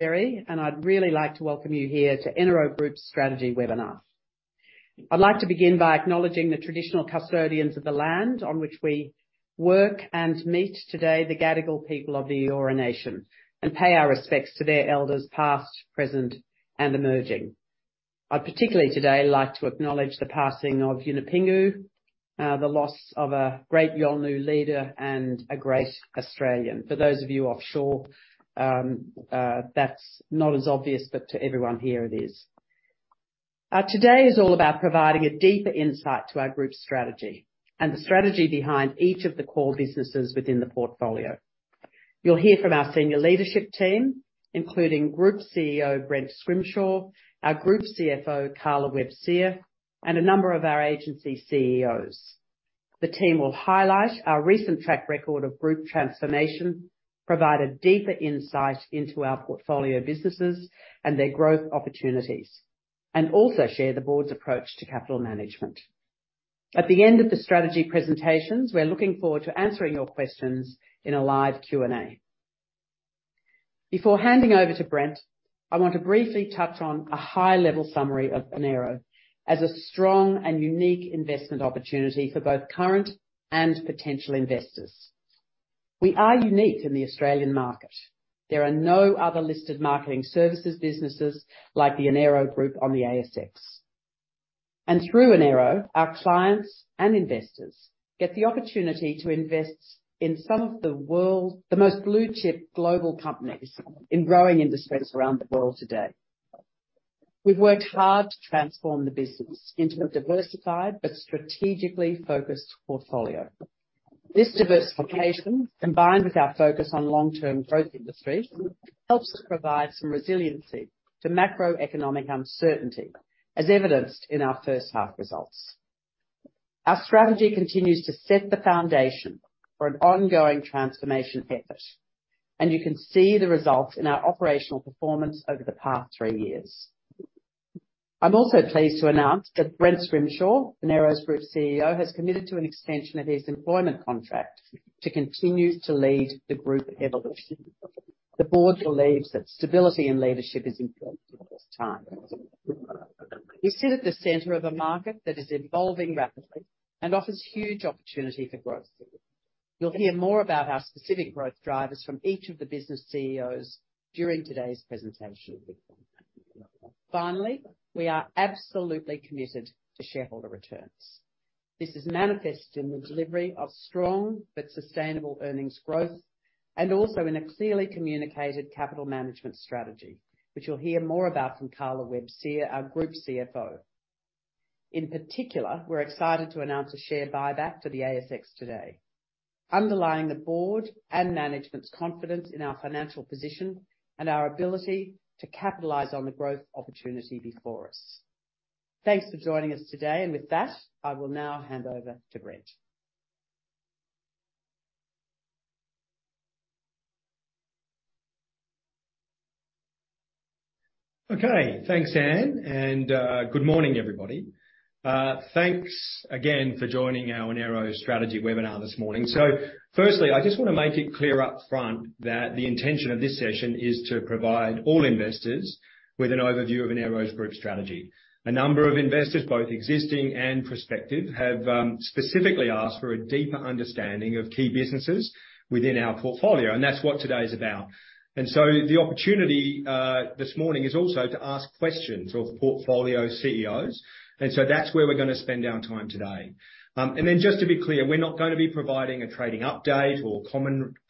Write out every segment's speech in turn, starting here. I'd really like to welcome you here to Enero Group's strategy webinar. I'd like to begin by acknowledging the traditional custodians of the land on which we work and meet today, the Gadigal people of the Eora Nation, and pay our respects to their elders past, present, and emerging. I'd particularly today like to acknowledge the passing of Yunupingu, the loss of a great Yolngu leader and a great Australian. For those of you offshore, that's not as obvious, but to everyone here it is. Today is all about providing a deeper insight to our group's strategy and the strategy behind each of the core businesses within the portfolio. You'll hear from our senior leadership team, including Group CEO, Brent Scrimshaw, our Group CFO, Carla Webb-Sear, and a number of our agency CEOs. The team will highlight our recent track record of group transformation, provide a deeper insight into our portfolio businesses and their growth opportunities, and also share the board's approach to capital management. At the end of the strategy presentations, we're looking forward to answering your questions in a live Q&A. Before handing over to Brent, I want to briefly touch on a high-level summary of Enero as a strong and unique investment opportunity for both current and potential investors. We are unique in the Australian market. There are no other listed marketing services businesses like the Enero Group on the ASX. Through Enero, our clients and investors get the opportunity to invest in some of the world's most blue-chip global companies in growing industries around the world today. We've worked hard to transform the business into a diversified but strategically focused portfolio. This diversification, combined with our focus on long-term growth industries, helps us provide some resiliency to macroeconomic uncertainty, as evidenced in our first half results. Our strategy continues to set the foundation for an ongoing transformation effort, and you can see the results in our operational performance over the past three years. I'm also pleased to announce that Brent Scrimshaw, Enero's Group CEO, has committed to an extension of his employment contract to continue to lead the group evolution. The board believes that stability and leadership is important at this time. We sit at the center of a market that is evolving rapidly and offers huge opportunity for growth. You'll hear more about our specific growth drivers from each of the business CEOs during today's presentation. We are absolutely committed to shareholder returns. This is manifested in the delivery of strong but sustainable earnings growth, also in a clearly communicated capital management strategy, which you'll hear more about from Carla Webb-Sear, our Group CFO. In particular, we're excited to announce a share buyback to the ASX today, underlying the board and management's confidence in our financial position and our ability to capitalize on the growth opportunity before us. Thanks for joining us today. With that, I will now hand over to Brent. Okay. Thanks, Ann, and good morning, everybody. Thanks again for joining our Enero strategy webinar this morning. Firstly, I just wanna make it clear up front that the intention of this session is to provide all investors with an overview of Enero's group strategy. A number of investors, both existing and prospective, have specifically asked for a deeper understanding of key businesses within our portfolio, and that's what today is about. The opportunity this morning is also to ask questions of portfolio CEOs, and that's where we're gonna spend our time today. Just to be clear, we're not gonna be providing a trading update or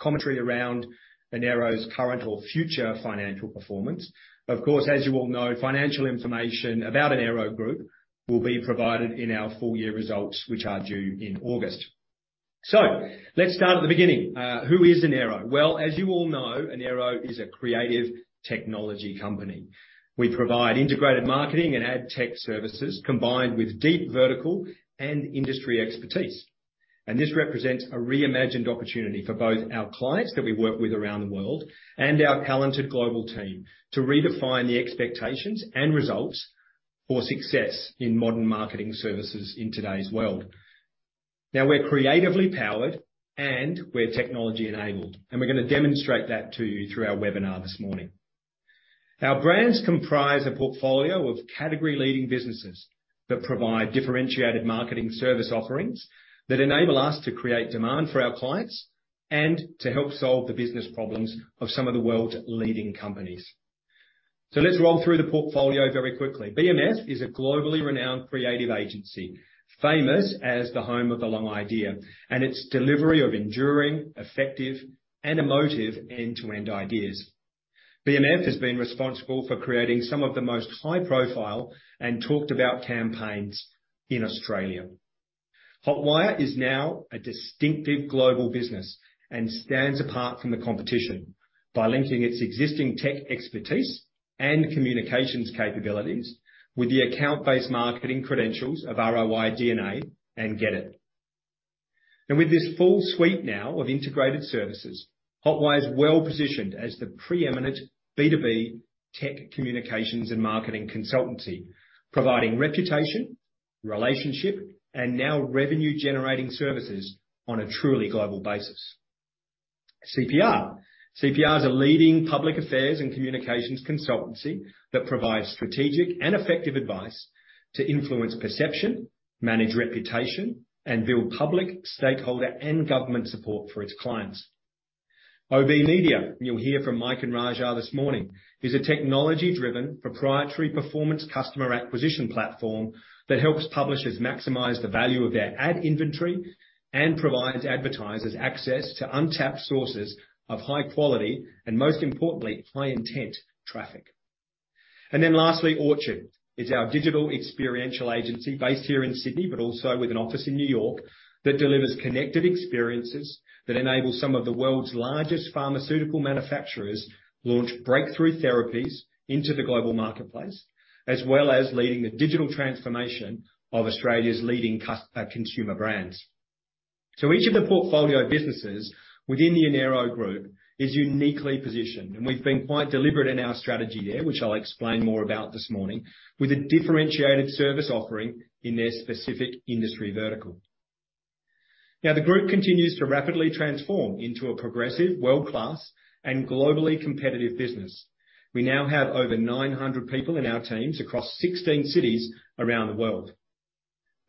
commentary around Enero's current or future financial performance. Of course, as you all know, financial information about Enero Group will be provided in our full year results, which are due in August. Let's start at the beginning. Who is Enero? Well, as you all know, Enero is a creative technology company. We provide integrated marketing and adtech services combined with deep vertical and industry expertise. This represents a reimagined opportunity for both our clients that we work with around the world and our talented global team to redefine the expectations and results for success in modern marketing services in today's world. Now, we're creatively powered and we're technology-enabled, and we're gonna demonstrate that to you through our webinar this morning. Our brands comprise a portfolio of category-leading businesses that provide differentiated marketing service offerings that enable us to create demand for our clients and to help solve the business problems of some of the world's leading companies. Let's roll through the portfolio very quickly. BMF is a globally renowned creative agency, famous as the home of the long idea and its delivery of enduring, effective, and emotive end-to-end ideas. BMF has been responsible for creating some of the most high-profile and talked about campaigns in Australia. Hotwire is now a distinctive global business and stands apart from the competition by linking its existing tech expertise and communications capabilities with the account-based marketing credentials of ROI·DNA and GetIT. With this full suite now of integrated services, Hotwire is well-positioned as the preeminent B2B tech communications and marketing consultancy, providing reputation-Relationship and now revenue generating services on a truly global basis. CPR. CPR is a leading public affairs and communications consultancy that provides strategic and effective advice to influence perception, manage reputation and build public, stakeholder and government support for its clients. OBMedia, you'll hear from Mike and Raja this morning, is a technology-driven proprietary performance customer acquisition platform that helps publishers maximize the value of their ad inventory and provides advertisers access to untapped sources of high quality and most importantly, high intent traffic. Lastly, Orchard is our digital experiential agency based here in Sydney, but also with an office in New York, that delivers connected experiences that enable some of the world's largest pharmaceutical manufacturers launch breakthrough therapies into the global marketplace, as well as leading the digital transformation of Australia's leading consumer brands. Each of the portfolio businesses within the Enero Group is uniquely positioned, and we've been quite deliberate in our strategy there, which I'll explain more about this morning, with a differentiated service offering in their specific industry vertical. The group continues to rapidly transform into a progressive, world-class and globally competitive business. We now have over 900 people in our teams across 16 cities around the world.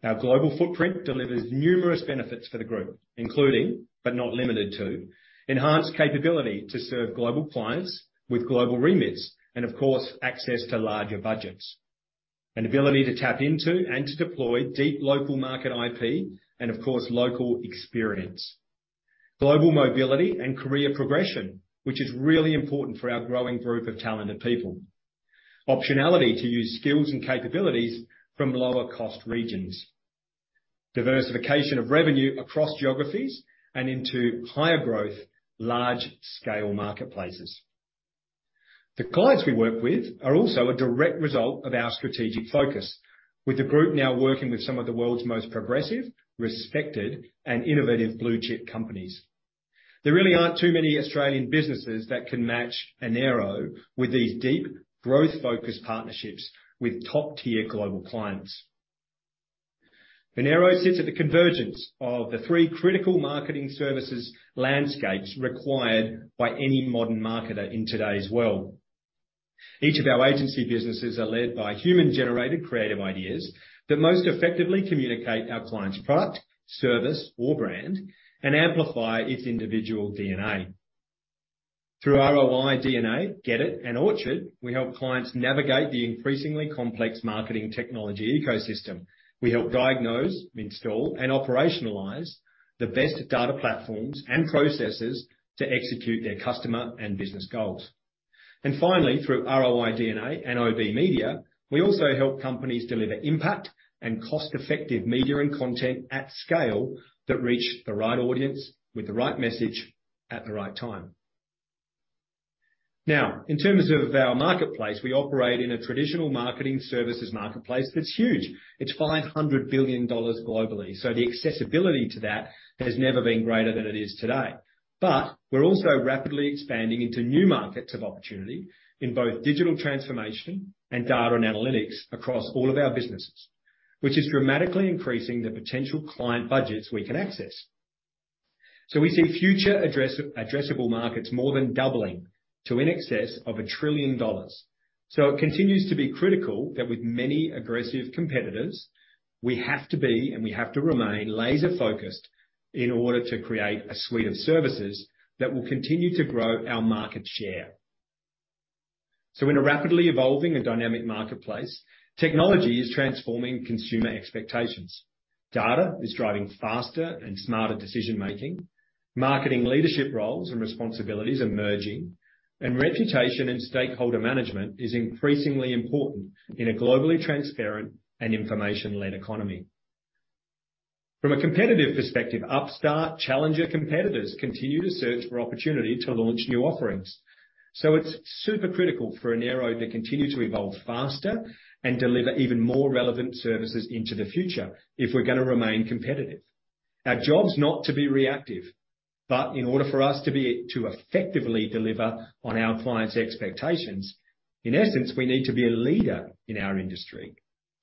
Our global footprint delivers numerous benefits for the group, including, but not limited to, enhanced capability to serve global clients with global remits and of course, access to larger budgets. An ability to tap into and to deploy deep local market IP and of course, local experience. Global mobility and career progression, which is really important for our growing group of talented people. Optionality to use skills and capabilities from lower cost regions. Diversification of revenue across geographies and into higher growth, large scale marketplaces. The clients we work with are also a direct result of our strategic focus with the group now working with some of the world's most progressive, respected, and innovative blue-chip companies. There really aren't too many Australian businesses that can match Enero with these deep growth focused partnerships with top-tier global clients. Enero sits at the convergence of the three critical marketing services landscapes required by any modern marketer in today's world. Each of our agency businesses are led by human-generated creative ideas that most effectively communicate our client's product, service, or brand and amplify its individual DNA. Through ROI·DNA, GetIT and Orchard, we help clients navigate the increasingly complex marketing technology ecosystem. We help diagnose, install, and operationalize the best data platforms and processes to execute their customer and business goals. Finally, through ROI·DNA and OBMedia, we also help companies deliver impact and cost-effective media and content at scale that reach the right audience with the right message at the right time. In terms of our marketplace, we operate in a traditional marketing services marketplace that's huge. It's $500 billion globally. The accessibility to that has never been greater than it is today. We're also rapidly expanding into new markets of opportunity in both digital transformation and data and analytics across all of our businesses, which is dramatically increasing the potential client budgets we can access. We see future addressable markets more than doubling to in excess of $1 trillion. It continues to be critical that with many aggressive competitors, we have to be and we have to remain laser-focused in order to create a suite of services that will continue to grow our market share. In a rapidly evolving and dynamic marketplace, technology is transforming consumer expectations. Data is driving faster and smarter decision-making. Marketing leadership roles and responsibilities are merging, and reputation and stakeholder management is increasingly important in a globally transparent and information-led economy. From a competitive perspective, upstart challenger competitors continue to search for opportunity to launch new offerings. It's super critical for Enero to continue to evolve faster and deliver even more relevant services into the future if we're gonna remain competitive. Our job's not to be reactive, but in order for us to effectively deliver on our clients' expectations, in essence, we need to be a leader in our industry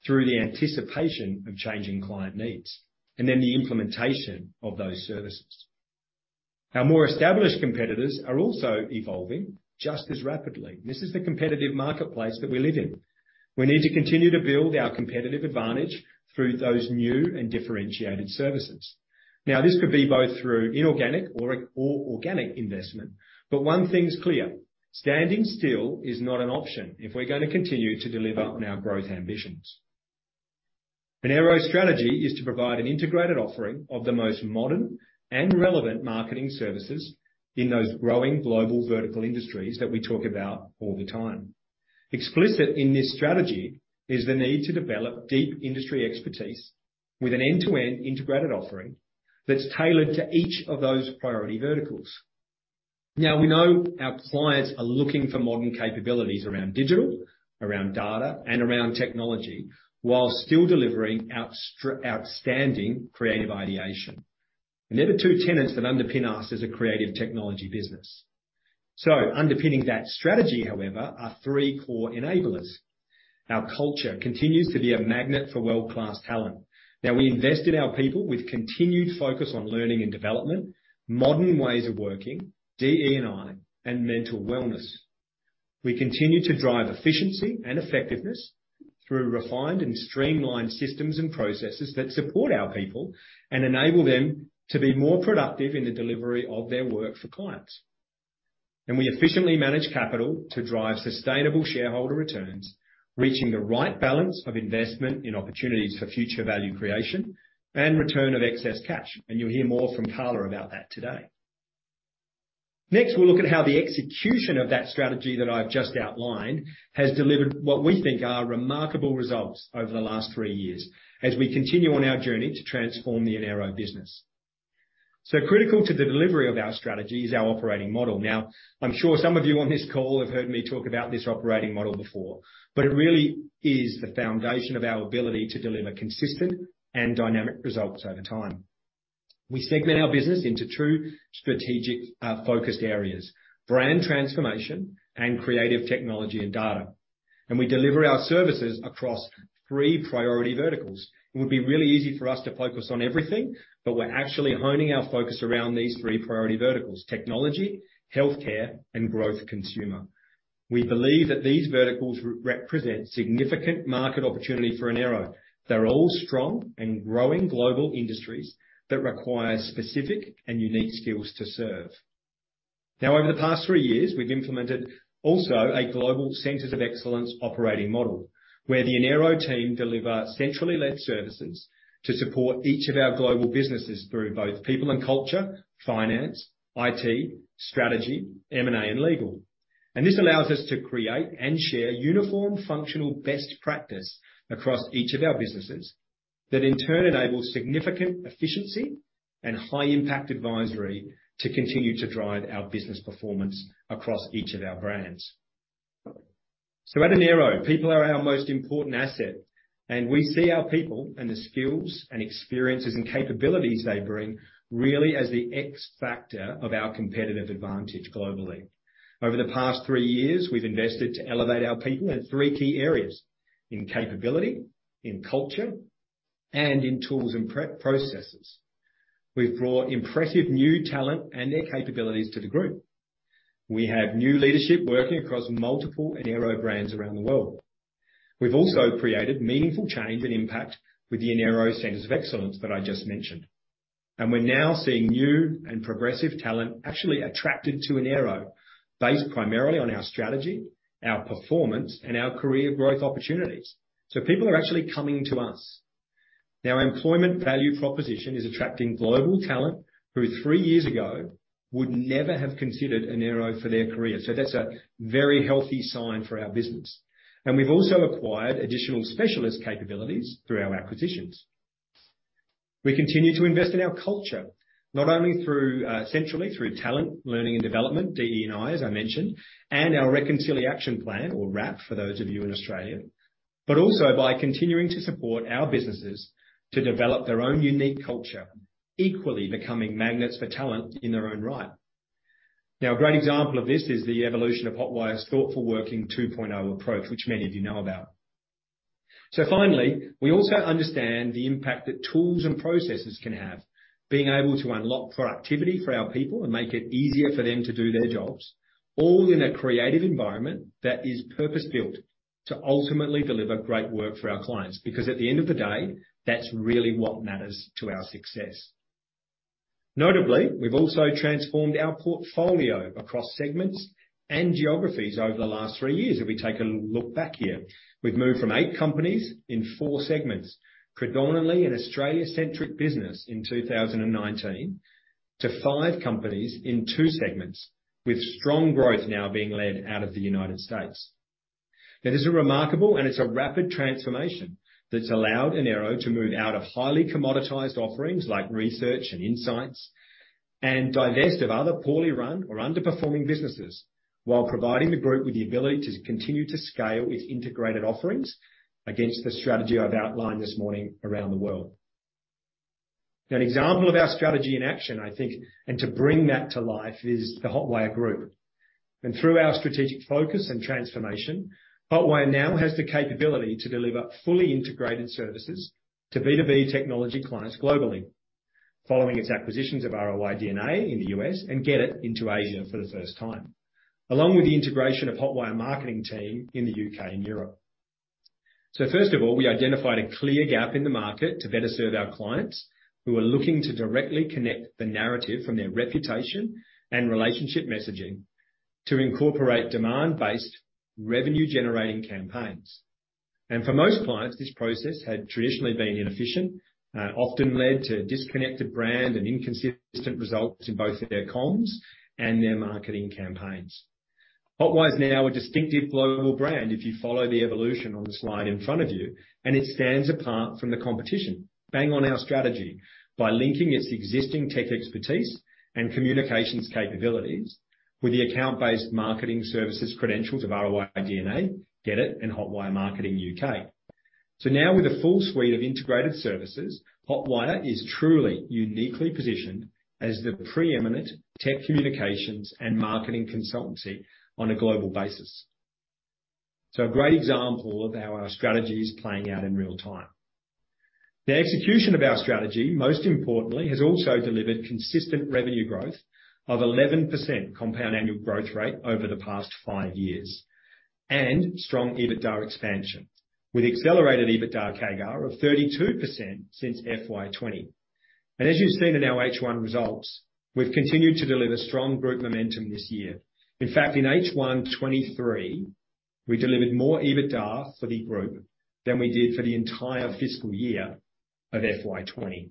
through the anticipation of changing client needs, and then the implementation of those services. Our more established competitors are also evolving just as rapidly. This is the competitive marketplace that we live in. We need to continue to build our competitive advantage through those new and differentiated services. This could be both through inorganic or organic investment, but one thing's clear: standing still is not an option if we're gonna continue to deliver on our growth ambitions. Enero's strategy is to provide an integrated offering of the most modern and relevant marketing services in those growing global vertical industries that we talk about all the time. Explicit in this strategy is the need to develop deep industry expertise with an end-to-end integrated offering that's tailored to each of those priority verticals. We know our clients are looking for modern capabilities around digital, around data, and around technology while still delivering outstanding creative ideation. They're the two tenets that underpin us as a creative technology business. Underpinning that strategy, however, are three core enablers. Our culture continues to be a magnet for world-class talent. Now we invest in our people with continued focus on learning and development, modern ways of working, DE&I, and mental wellness. We continue to drive efficiency and effectiveness through refined and streamlined systems and processes that support our people and enable them to be more productive in the delivery of their work for clients. We efficiently manage capital to drive sustainable shareholder returns, reaching the right balance of investment in opportunities for future value creation and return of excess cash. You'll hear more from Carla about that today. Next, we'll look at how the execution of that strategy that I've just outlined has delivered what we think are remarkable results over the last three years as we continue on our journey to transform the Enero business. Critical to the delivery of our strategy is our operating model. I'm sure some of you on this call have heard me talk about this operating model before, but it really is the foundation of our ability to deliver consistent and dynamic results over time. We segment our business into two strategic, focused areas: brand transformation and creative technology and data. We deliver our services across three priority verticals. It would be really easy for us to focus on everything, but we're actually honing our focus around these three priority verticals: technology, healthcare, and growth consumer. We believe that these verticals re-represent significant market opportunity for Enero. They're all strong and growing global industries that require specific and unique skills to serve. Over the past three years, we've implemented also a global centers of excellence operating model. Where the Enero team deliver centrally led services to support each of our global businesses through both people and culture, finance, IT, strategy, M&A, and legal. This allows us to create and share uniform functional best practice across each of our businesses that in turn enable significant efficiency and high impact advisory to continue to drive our business performance across each of our brands. At Enero, people are our most important asset, and we see our people and the skills and experiences and capabilities they bring really as the X factor of our competitive advantage globally. Over the past three years, we've invested to elevate our people in three key areas, in capability, in culture, and in tools and pro-processes. We've brought impressive new talent and their capabilities to the group. We have new leadership working across multiple Enero brands around the world. We've also created meaningful change and impact with the Enero centers of excellence that I just mentioned. We're now seeing new and progressive talent actually attracted to Enero based primarily on our strategy, our performance, and our career growth opportunities. People are actually coming to us. Our employment value proposition is attracting global talent who three years ago would never have considered Enero for their career. That's a very healthy sign for our business. We've also acquired additional specialist capabilities through our acquisitions. We continue to invest in our culture, not only through centrally through talent, learning and development, DE&I, as I mentioned, and our reconciliation plan or RAP, for those of you in Australia, but also by continuing to support our businesses to develop their own unique culture, equally becoming magnets for talent in their own right. A great example of this is the evolution of Hotwire's Thoughtful Working 2.0 approach, which many of you know about. Finally, we also understand the impact that tools and processes can have. Being able to unlock productivity for our people and make it easier for them to do their jobs, all in a creative environment that is purpose-built to ultimately deliver great work for our clients. At the end of the day, that's really what matters to our success. Notably, we've also transformed our portfolio across segments and geographies over the last three years. We take a look back here, we've moved from eight companies in four segments, predominantly an Australia-centric business in 2019 to five companies in two segments, with strong growth now being led out of the United States. That is a remarkable and it's a rapid transformation that's allowed Enero to move out of highly commoditized offerings like research and insights, and divest of other poorly run or underperforming businesses, while providing the group with the ability to continue to scale its integrated offerings against the strategy I've outlined this morning around the world. An example of our strategy in action, I think, and to bring that to life is the Hotwire group. Through our strategic focus and transformation, Hotwire now has the capability to deliver fully integrated services to B2B technology clients globally. Following its acquisitions of ROI·DNA in the U.S. and GetIT into Asia for the first time, along with the integration of Hotwire marketing team in the U.K. and Europe. First of all, we identified a clear gap in the market to better serve our clients who are looking to directly connect the narrative from their reputation and relationship messaging to incorporate demand-based revenue-generating campaigns. For most clients, this process had traditionally been inefficient, often led to disconnected brand and inconsistent results in both their comms and their marketing campaigns. Hotwire is now a distinctive global brand if you follow the evolution on the slide in front of you, and it stands apart from the competition, bang on our strategy by linking its existing tech expertise and communications capabilities with the account-based marketing services credentials of ROI·DNA, GetIT in Hotwire marketing U.K. Now with a full suite of integrated services, Hotwire is truly uniquely positioned as the preeminent tech communications and marketing consultancy on a global basis. A great example of how our strategy is playing out in real time. The execution of our strategy, most importantly, has also delivered consistent revenue growth of 11% compound annual growth rate over the past five years. Strong EBITDA expansion with accelerated EBITDA CAGR of 32% since FY 2020. As you've seen in our H1 results, we've continued to deliver strong group momentum this year. In fact, in H1 2023, we delivered more EBITDA for the group than we did for the entire fiscal year of FY 2020.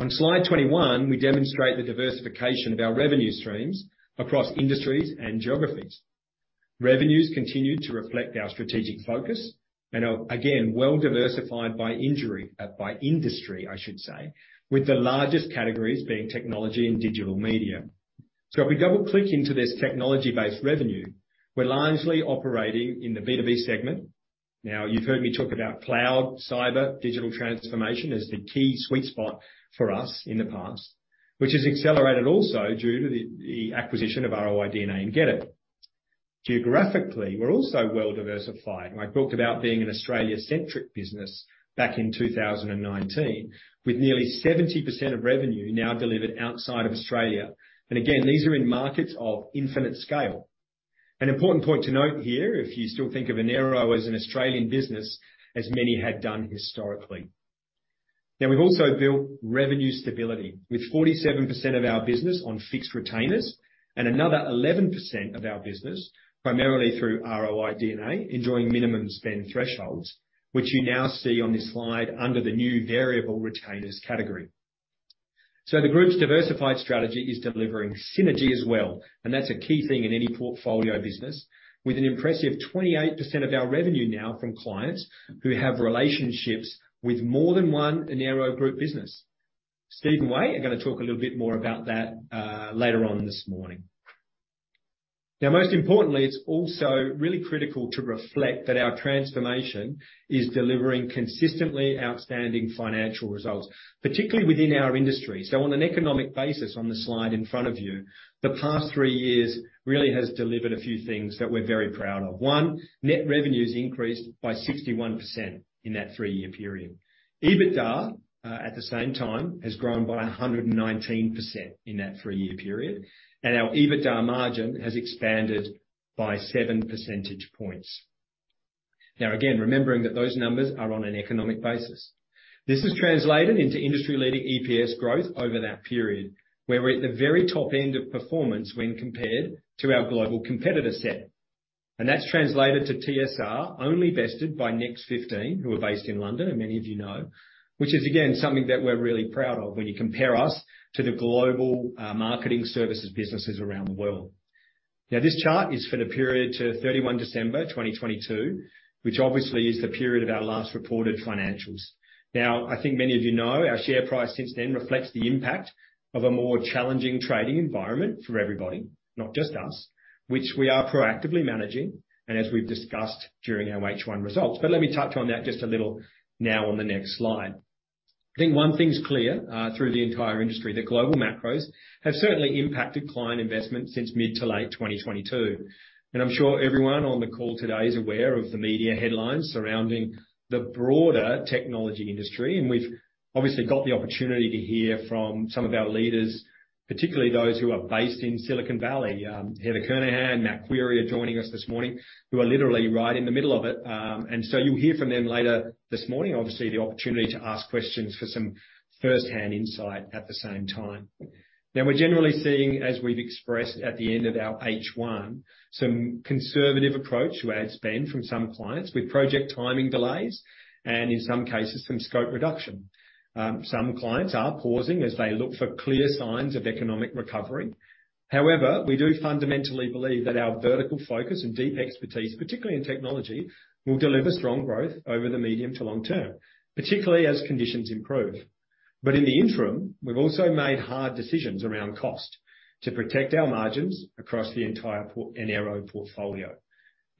On slide 21, we demonstrate the diversification of our revenue streams across industries and geographies. Revenues continue to reflect our strategic focus and are again well-diversified by industry, I should say, with the largest categories being technology and digital media. If we double-click into this technology-based revenue, we're largely operating in the B2B segment. You've heard me talk about cloud, cyber, digital transformation as the key sweet spot for us in the past, which has accelerated also due to the acquisition of ROI·DNA and GetIT. Geographically, we're also well-diversified, I talked about being an Australia-centric business back in 2019. With nearly 70% of revenue now delivered outside of Australia. Again, these are in markets of infinite scale. An important point to note here, if you still think of Enero as an Australian business, as many had done historically. We've also built revenue stability, with 47% of our business on fixed retainers and another 11% of our business, primarily through ROI·DNA, enjoying minimum spend thresholds, which you now see on this slide under the new variable retainers category. The group's diversified strategy is delivering synergy as well, and that's a key thing in any portfolio business. With an impressive 28% of our revenue now from clients who have relationships with more than one Enero Group business. Steve and Wei are gonna talk a little bit more about that later on this morning. Most importantly, it's also really critical to reflect that our transformation is delivering consistently outstanding financial results, particularly within our industry. On an economic basis, on the slide in front of you, the past three years really has delivered a few things that we're very proud of. Net revenue's increased by 61% in that three-year period. EBITDA, at the same time, has grown by 119% in that three-year period, and our EBITDA margin has expanded by 7 percentage points. Again, remembering that those numbers are on an economic basis. This has translated into industry-leading EPS growth over that period, where we're at the very top end of performance when compared to our global competitor set. That's translated to TSR, only bested by Next 15, who are based in London, and many of you know. Is again, something that we're really proud of when you compare us to the global marketing services businesses around the world. This chart is for the period to 31 December 2022, which obviously is the period of our last reported financials. I think many of you know, our share price since then reflects the impact of a more challenging trading environment for everybody, not just us, which we are proactively managing and as we've discussed during our H1 results, but let me touch on that just a little now on the next slide. I think one thing's clear, through the entire industry, that global macros have certainly impacted client investment since mid to late 2022. I'm sure everyone on the call today is aware of the media headlines surrounding the broader technology industry, and we've obviously got the opportunity to hear from some of our leaders, particularly those who are based in Silicon Valley. Heather Kernahan and Matt Querie are joining us this morning, who are literally right in the middle of it. You'll hear from them later this morning, obviously, the opportunity to ask questions for some firsthand insight at the same time. We're generally seeing, as we've expressed at the end of our H1, some conservative approach to ad spend from some clients with project timing delays and in some cases, some scope reduction. Some clients are pausing as they look for clear signs of economic recovery. We do fundamentally believe that our vertical focus and deep expertise, particularly in technology, will deliver strong growth over the medium to long term, particularly as conditions improve. In the interim, we've also made hard decisions around cost to protect our margins across the entire Enero portfolio.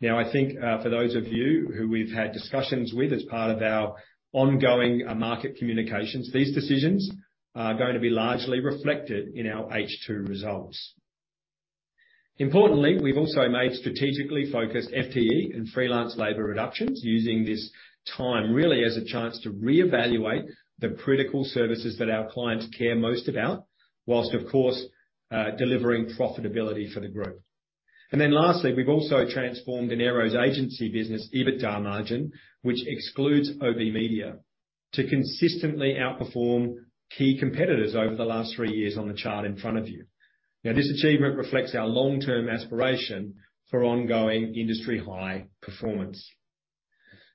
I think, for those of you who we've had discussions with as part of our ongoing market communications, these decisions are going to be largely reflected in our H2 results. Importantly, we've also made strategically focused FTE and freelance labor reductions using this time really as a chance to reevaluate the critical services that our clients care most about while of course, delivering profitability for the group. Lastly, we've also transformed Enero's agency business EBITDA margin, which excludes OBMedia, to consistently outperform key competitors over the last three years on the chart in front of you. This achievement reflects our long-term aspiration for ongoing industry high performance.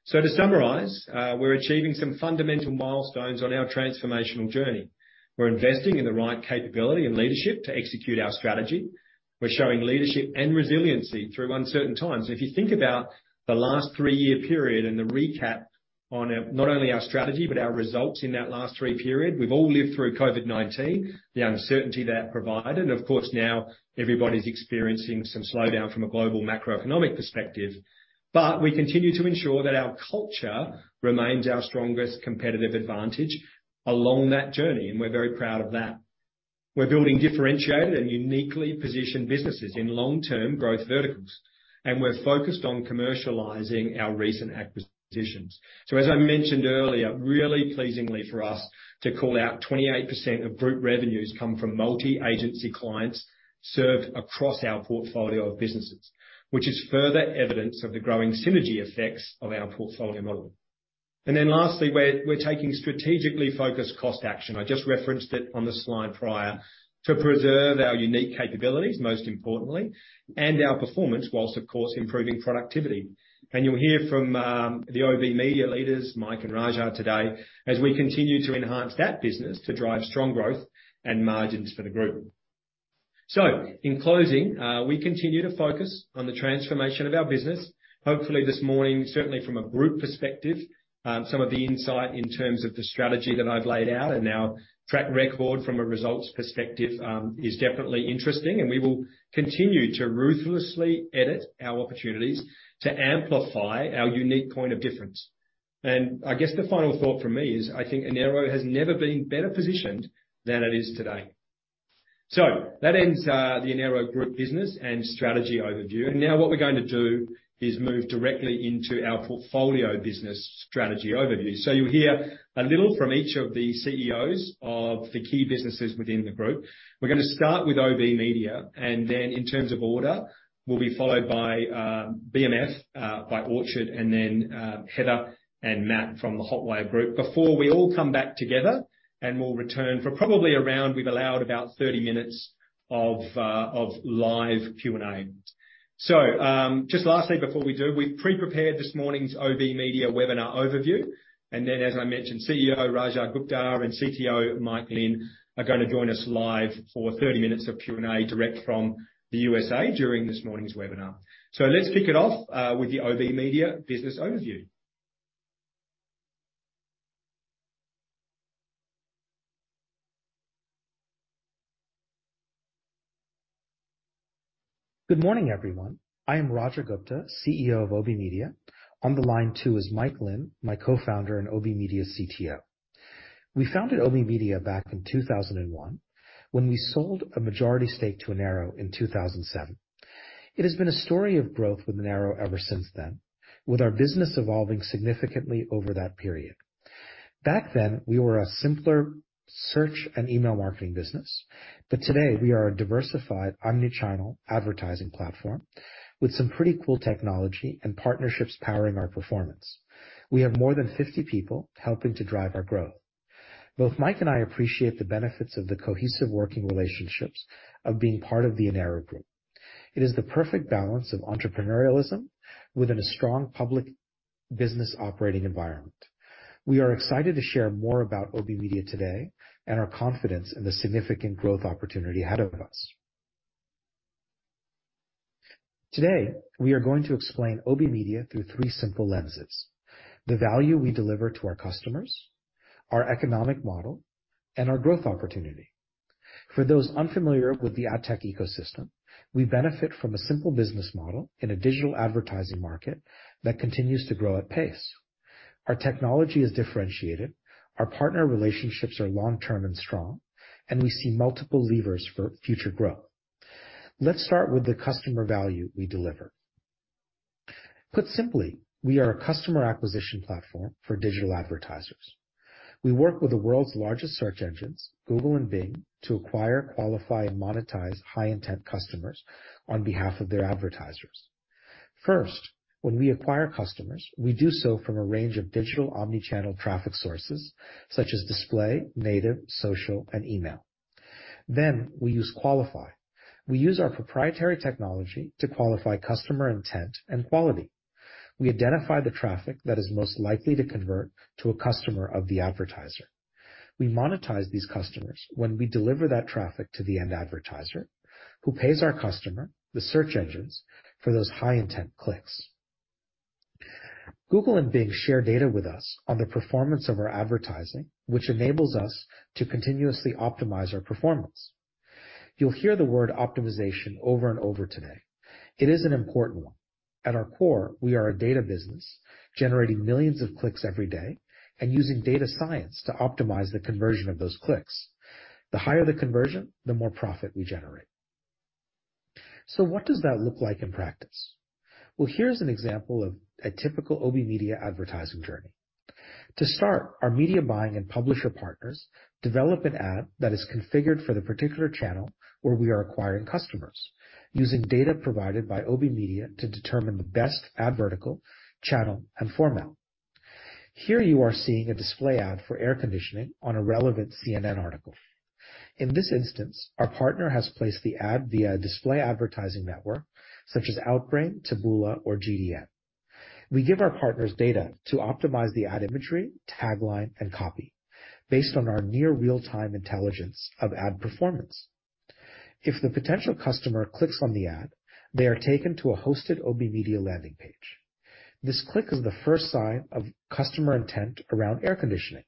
To summarize, we're achieving some fundamental milestones on our transformational journey. We're investing in the right capability and leadership to execute our strategy. We're showing leadership and resiliency through uncertain times. If you think about the last three-year period and the recap on not only our strategy, but our results in that last three period. We've all lived through COVID-19, the uncertainty that provided, of course, now everybody's experiencing some slowdown from a global macroeconomic perspective. We continue to ensure that our culture remains our strongest competitive advantage along that journey, and we're very proud of that. We're building differentiated and uniquely positioned businesses in long-term growth verticals, and we're focused on commercializing our recent acquisitions. As I mentioned earlier, really pleasingly for us to call out 28% of group revenues come from multi-agency clients served across our portfolio of businesses, which is further evidence of the growing synergy effects of our portfolio model. Lastly, we're taking strategically focused cost action. I just referenced it on the slide prior, to preserve our unique capabilities, most importantly, and our performance whilst of course improving productivity. You'll hear from the OBMedia leaders, Mike and Raja today as we continue to enhance that business to drive strong growth and margins for the group. In closing, we continue to focus on the transformation of our business. Hopefully, this morning, certainly from a group perspective, some of the insight in terms of the strategy that I've laid out and our track record from a results perspective, is definitely interesting. We will continue to ruthlessly edit our opportunities to amplify our unique point of difference. I guess the final thought from me is I think Enero has never been better positioned than it is today. That ends the Enero Group business and strategy overview. Now what we're going to do is move directly into our portfolio business strategy overview. You'll hear a little from each of the CEOs of the key businesses within the group. We're gonna start with OBMedia, and then in terms of order, we'll be followed by BMF, by Orchard, and then Heather and Matt from the Hotwire group before we all come back together, and we'll return for probably around, we've allowed about 30 minutes of live Q&A. Just lastly before we do, we've pre-prepared this morning's OBMedia webinar overview, and then as I mentioned, CEO Raja Gupta and CTO Mike Lynn are gonna join us live for 30 minutes of Q&A direct from the USA during this morning's webinar. Let's kick it off with the OBMedia business overview. Good morning, everyone. I am Raja Gupta, CEO of OBMedia. On the line, too is Mike Lynn, my co-founder, and OBMedia's CTO. We founded OBMedia back in 2001 when we sold a majority stake to Enero in 2007. It has been a story of growth with Enero ever since then, with our business evolving significantly over that period. Back then, we were a simpler search and email marketing business. Today we are a diversified omnichannel advertising platform with some pretty cool technology and partnerships powering our performance. We have more than 50 people helping to drive our growth. Both Mike and I appreciate the benefits of the cohesive working relationships of being part of the Enero Group. It is the perfect balance of entrepreneurialism within a strong public business operating environment. We are excited to share more about OBMedia today and our confidence in the significant growth opportunity ahead of us. Today, we are going to explain OBMedia through three simple lenses: the value we deliver to our customers, our economic model, and our growth opportunity. For those unfamiliar with the ad tech ecosystem, we benefit from a simple business model in a digital advertising market that continues to grow at pace. Our technology is differentiated, our partner relationships are long-term and strong, and we see multiple levers for future growth. Let's start with the customer value we deliver. Put simply, we are a customer acquisition platform for digital advertisers. We work with the world's largest search engines, Google and Bing, to acquire, qualify, and monetize high-intent customers on behalf of their advertisers. First, when we acquire customers, we do so from a range of digital omnichannel traffic sources such as display, native, social, and email. We use our proprietary technology to qualify customer intent and quality. We identify the traffic that is most likely to convert to a customer of the advertiser. We monetize these customers when we deliver that traffic to the end advertiser, who pays our customer, the search engines, for those high-intent clicks. Google and Bing share data with us on the performance of our advertising, which enables us to continuously optimize our performance. You'll hear the word optimization over and over today. It is an important one. At our core, we are a data business generating millions of clicks every day and using data science to optimize the conversion of those clicks. The higher the conversion, the more profit we generate. What does that look like in practice? Well, here's an example of a typical OBMedia advertising journey. To start, our media buying and publisher partners develop an ad that is configured for the particular channel where we are acquiring customers, using data provided by OBMedia to determine the best ad vertical, channel, and format. Here you are seeing a display ad for air conditioning on a relevant CNN article. In this instance, our partner has placed the ad via a display advertising network such as Outbrain, Taboola, or GDN. We give our partners data to optimize the ad imagery, tagline, and copy based on our near real-time intelligence of ad performance. If the potential customer clicks on the ad, they are taken to a hosted OBMedia landing page. This click is the first sign of customer intent around air conditioning.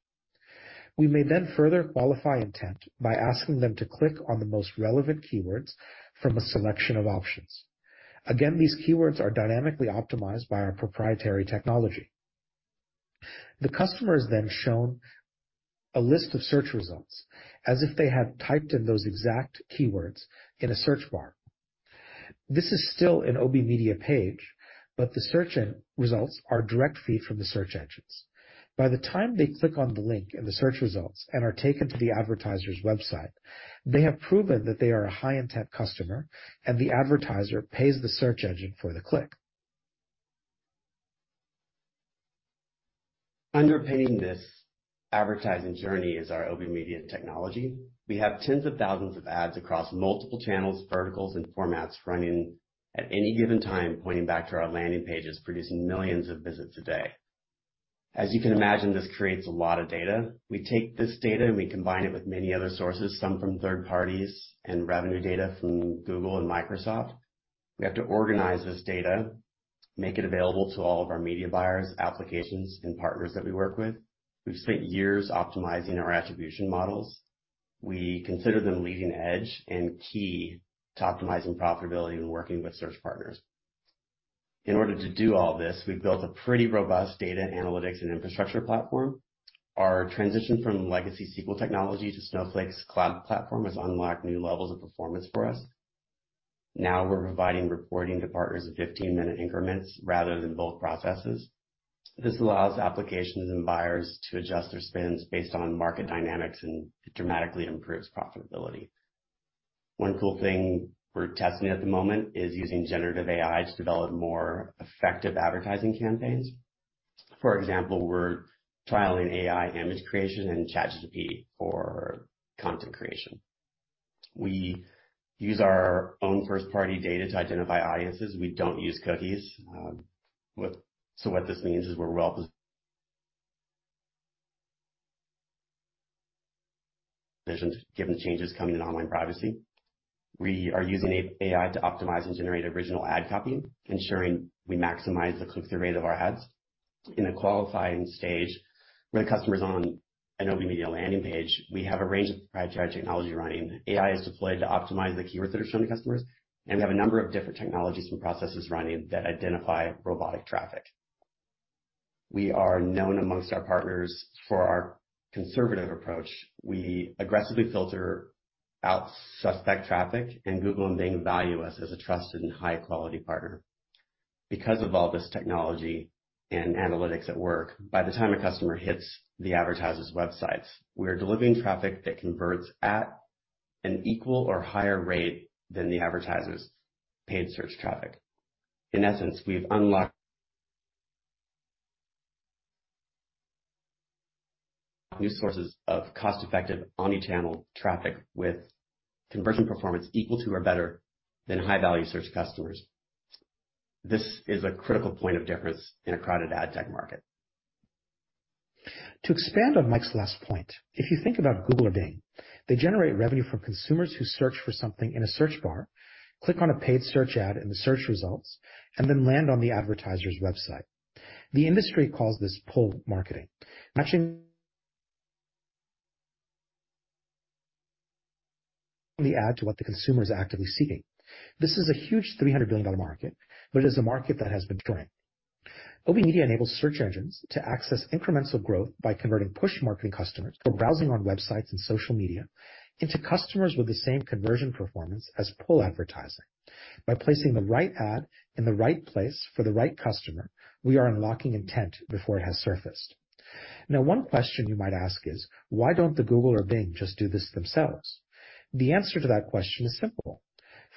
We may then further qualify intent by asking them to click on the most relevant keywords from a selection of options. Again, these keywords are dynamically optimized by our proprietary technology. The customer is then shown a list of search results as if they had typed in those exact keywords in a search bar. This is still an OBMedia page, but the search end results are direct feed from the search engines. By the time they click on the link in the search results and are taken to the advertiser's website, they have proven that they are a high intent customer and the advertiser pays the search engine for the click. Underpinning this advertising journey is our OBMedia technology. We have tens of thousands of ads across multiple channels, verticals, and formats running at any given time, pointing back to our landing pages, producing millions of visits a day. As you can imagine, this creates a lot of data. We take this data and we combine it with many other sources, some from third parties and revenue data from Google and Microsoft. We have to organize this data, make it available to all of our media buyers, applications, and partners that we work with. We've spent years optimizing our attribution models. We consider them leading edge and key to optimizing profitability and working with search partners. In order to do all this, we've built a pretty robust data analytics and infrastructure platform. Our transition from legacy SQL technology to Snowflake's cloud platform has unlocked new levels of performance for us. Now we're providing reporting to partners in 15-minute increments rather than bulk processes. This allows applications and buyers to adjust their spends based on market dynamics, and it dramatically improves profitability. One cool thing we're testing at the moment is using generative AI to develop more effective advertising campaigns. For example, we're trialing AI image creation and ChatGPT for content creation. We use our own first-party data to identify audiences. We don't use cookies, so what this means is we're well pos... visions given the changes coming in online privacy. We are using AI to optimize and generate original ad copy, ensuring we maximize the click-through rate of our ads. In a qualifying stage, when a customer's on an OBMedia landing page, we have a range of proprietary technology running. AI is deployed to optimize the keywords that are shown to customers. We have a number of different technologies and processes running that identify robotic traffic. We are known amongst our partners for our conservative approach. We aggressively filter out suspect traffic. Google and Bing value us as a trusted and high-quality partner. Because of all this technology and analytics at work, by the time a customer hits the advertiser's websites, we are delivering traffic that converts at an equal or higher rate than the advertiser's paid search traffic. In essence, we've unlocked... new sources of cost-effective omni-channel traffic with conversion performance equal to or better than high-value search customers. This is a critical point of difference in a crowded ad tech market. To expand on Mike's last point, if you think about Google or Bing, they generate revenue from consumers who search for something in a search bar, click on a paid search ad in the search results, and then land on the advertiser's website. The industry calls this pull marketing. Matching the ad to what the consumer is actively seeking. This is a huge $300 billion market, but it is a market that has been growing. OBMedia enables search engines to access incremental growth by converting push marketing customers for browsing on websites and social media into customers with the same conversion performance as pull advertising. By placing the right ad in the right place for the right customer, we are unlocking intent before it has surfaced. Now, one question you might ask is, "Why don't the Google or Bing just do this themselves?" The answer to that question is simple.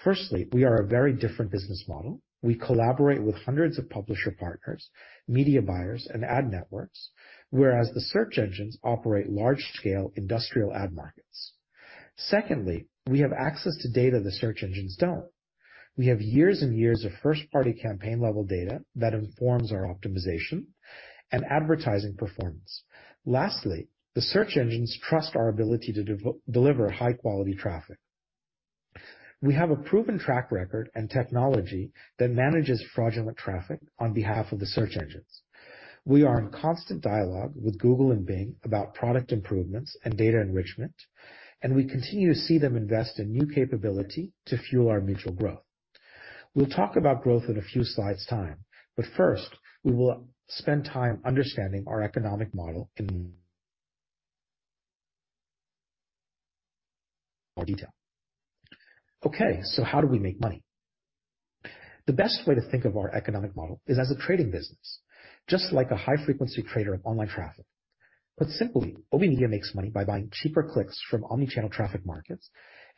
Firstly, we are a very different business model. We collaborate with hundreds of publisher partners, media buyers, and ad networks, whereas the search engines operate large-scale industrial ad markets. Secondly, we have access to data the search engines don't. We have years and years of first-party campaign level data that informs our optimization and advertising performance. Lastly, the search engines trust our ability to deliver high-quality traffic. We have a proven track record and technology that manages fraudulent traffic on behalf of the search engines. We are in constant dialogue with Google and Bing about product improvements and data enrichment, and we continue to see them invest in new capability to fuel our mutual growth. We'll talk about growth in a few slides' time. First, we will spend time understanding our economic model in more detail. How do we make money? The best way to think of our economic model is as a trading business, just like a high-frequency trader of online traffic. Put simply, OBMedia makes money by buying cheaper clicks from omni-channel traffic markets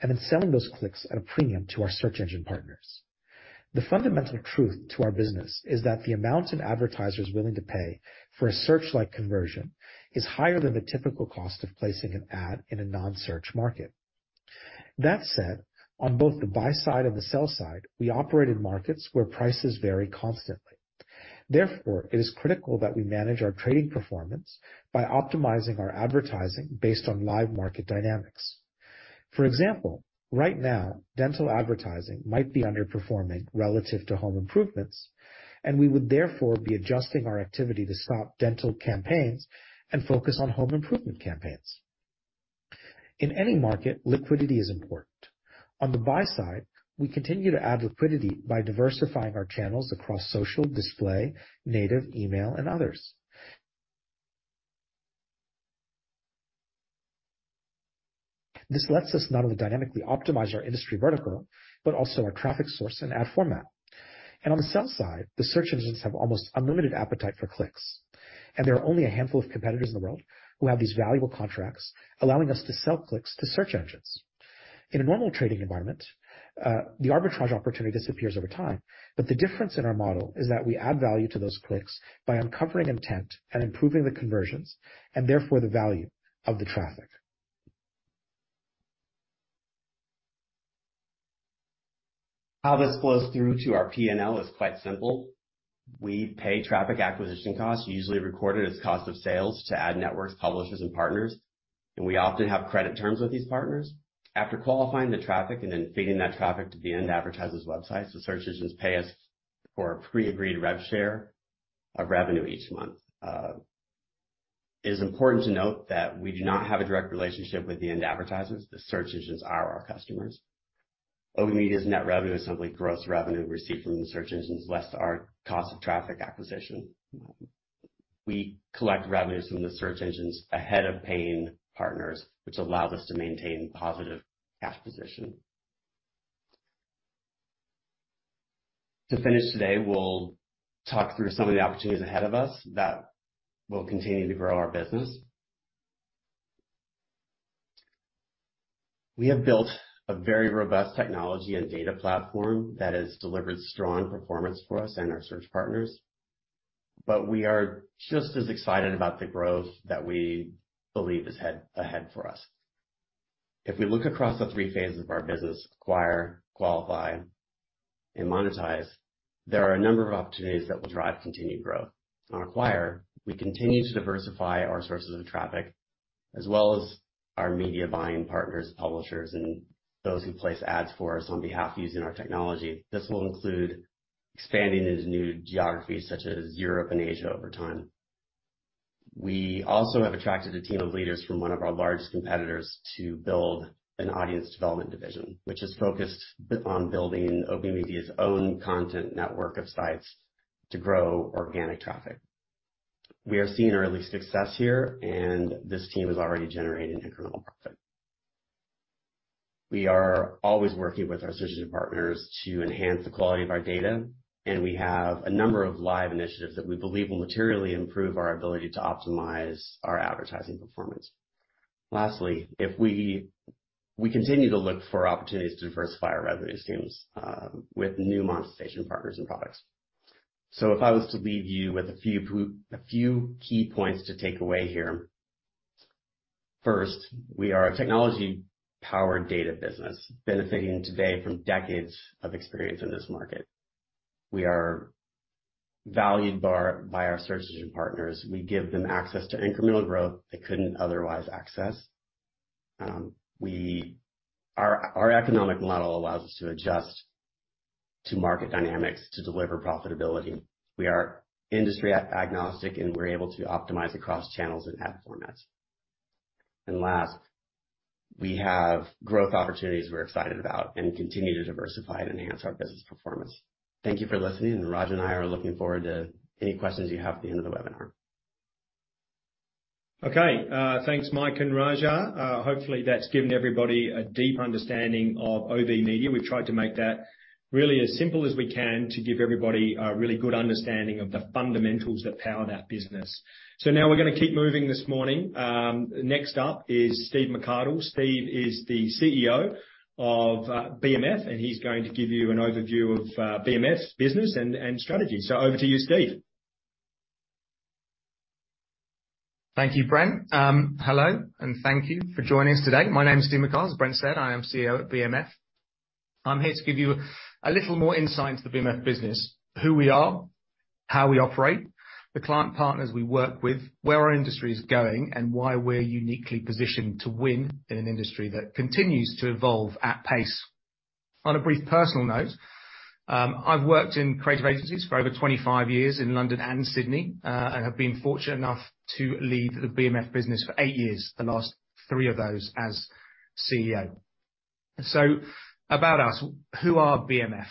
and then selling those clicks at a premium to our search engine partners. The fundamental truth to our business is that the amount an advertiser is willing to pay for a search-like conversion is higher than the typical cost of placing an ad in a non-search market. That said, on both the buy side and the sell side, we operate in markets where prices vary constantly. Therefore, it is critical that we manage our trading performance by optimizing our advertising based on live market dynamics. For example, right now, dental advertising might be underperforming relative to home improvements, and we would therefore be adjusting our activity to stop dental campaigns and focus on home improvement campaigns. In any market, liquidity is important. On the buy side, we continue to add liquidity by diversifying our channels across social, display, native, email, and others. This lets us not only dynamically optimize our industry vertical, but also our traffic source and ad format. On the sell side, the search engines have almost unlimited appetite for clicks, and there are only a handful of competitors in the world who have these valuable contracts allowing us to sell clicks to search engines. In a normal trading environment, the arbitrage opportunity disappears over time, but the difference in our model is that we add value to those clicks by uncovering intent and improving the conversions and therefore the value of the traffic. How this flows through to our PNL is quite simple. We pay traffic acquisition costs, usually recorded as cost of sales to ad networks, publishers, and partners, and we often have credit terms with these partners. After qualifying the traffic and then feeding that traffic to the end advertiser's website, the search engines pay us for a pre-agreed rev share of revenue each month. It is important to note that we do not have a direct relationship with the end advertisers. The search engines are our customers. OBMedia's net revenue is simply gross revenue received from the search engines less our cost of traffic acquisition. We collect revenues from the search engines ahead of paying partners, which allows us to maintain positive cash position. To finish today, we'll talk through some of the opportunities ahead of us that will continue to grow our business. We have built a very robust technology and data platform that has delivered strong performance for us and our search partners, but we are just as excited about the growth that we believe is ahead for us. If we look across the three phases of our business, acquire, qualify, and monetize, there are a number of opportunities that will drive continued growth. On acquire, we continue to diversify our sources of traffic as well as our media buying partners, publishers, and those who place ads for us on behalf using our technology. This will include expanding into new geographies such as Europe and Asia over time. We also have attracted a team of leaders from one of our largest competitors to build an audience development division, which is focused on building OBMedia's own content network of sites to grow organic traffic. We are seeing early success here, this team is already generating incremental profit. We are always working with our search engine partners to enhance the quality of our data, we have a number of live initiatives that we believe will materially improve our ability to optimize our advertising performance. Lastly, if we continue to look for opportunities to diversify our revenue streams with new monetization partners and products. If I was to leave you with a few key points to take away here. First, we are a technology-powered data business benefiting today from decades of experience in this market. We are valued by our search engine partners. We give them access to incremental growth they couldn't otherwise access. Our economic model allows us to adjust to market dynamics to deliver profitability. We are industry agnostic, we're able to optimize across channels and ad formats. Last, we have growth opportunities we're excited about and continue to diversify and enhance our business performance. Thank you for listening, and Raja and I are looking forward to any questions you have at the end of the webinar. Okay. Thanks, Mike and Raja. Hopefully, that's given everybody a deep understanding of OBMedia. We've tried to make that really as simple as we can to give everybody a really good understanding of the fundamentals that power that business. Now we're gonna keep moving this morning. Next up is Stephen McArdle. Steve is the CEO of BMF, and he's going to give you an overview of BMF's business and strategy. Over to you, Steve. Thank you, Brent. Hello, and thank you for joining us today. My name is Steve McArdle. As Brent said, I am CEO at BMF. I'm here to give you a little more insight into the BMF business, who we are, how we operate, the client partners we work with, where our industry is going, and why we're uniquely positioned to win in an industry that continues to evolve at pace. On a brief personal note, I've worked in creative agencies for over 25 years in London and Sydney, have been fortunate enough to lead the BMF business for eight years, the last three of those as CEO. About us. Who are BMF?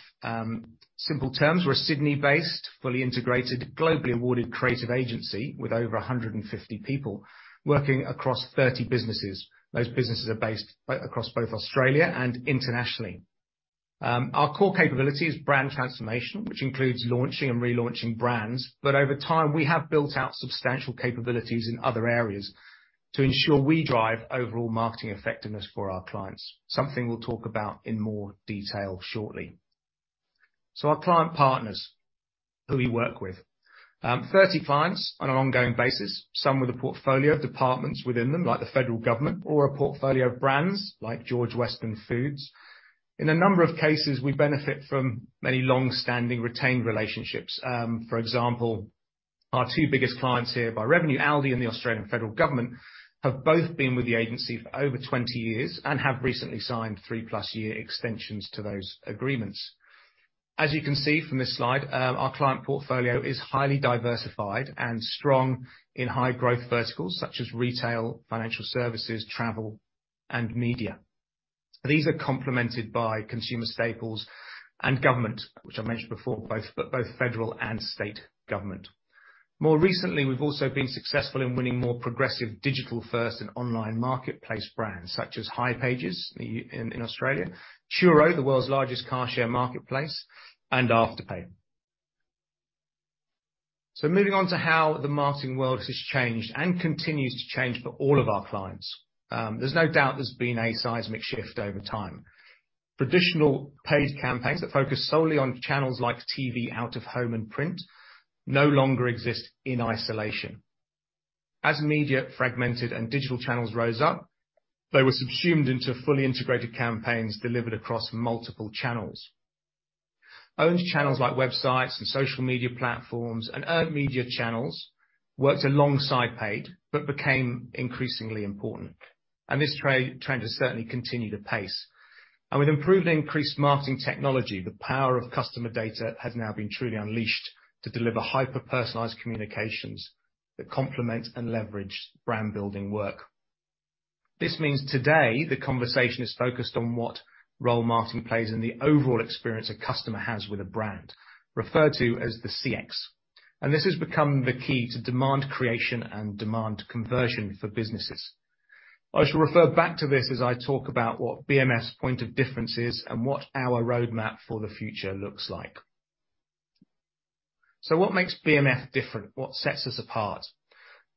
Simple terms. We're a Sydney-based, fully integrated, globally awarded creative agency with over 150 people working across 30 businesses. Those businesses are based across both Australia and internationally. Our core capability is brand transformation, which includes launching and relaunching brands. Over time, we have built out substantial capabilities in other areas to ensure we drive overall marketing effectiveness for our clients, something we'll talk about in more detail shortly. Our client partners, who we work with. 30 clients on an ongoing basis, some with a portfolio of departments within them, like the federal government or a portfolio of brands like George Weston Foods. In a number of cases, we benefit from many long-standing retained relationships. For example, our two biggest clients here by revenue, ALDI and the Australian federal government, have both been with the agency for over 20 years and have recently signed 3-plus-year extensions to those agreements. As you can see from this slide, our client portfolio is highly diversified and strong in high-growth verticals such as retail, financial services, travel, and media. These are complemented by consumer staples and government, which I mentioned before, both federal and state government. More recently, we've also been successful in winning more progressive digital first and online marketplace brands such as hipages in Australia, Turo, the world's largest car share marketplace, and Afterpay. Moving on to how the marketing world has changed and continues to change for all of our clients. There's no doubt there's been a seismic shift over time. Traditional paid campaigns that focus solely on channels like TV, out-of-home, and print no longer exist in isolation. As media fragmented and digital channels rose up, they were subsumed into fully integrated campaigns delivered across multiple channels. Owned channels like websites and social media platforms and earned media channels worked alongside paid, but became increasingly important, and this trend has certainly continued apace. With improved increased marketing technology, the power of customer data has now been truly unleashed to deliver hyper-personalized communications that complement and leverage brand-building work. This means today the conversation is focused on what role marketing plays in the overall experience a customer has with a brand, referred to as the CX. This has become the key to demand creation and demand conversion for businesses. I shall refer back to this as I talk about what BMF's point of difference is and what our roadmap for the future looks like. What makes BMF different? What sets us apart?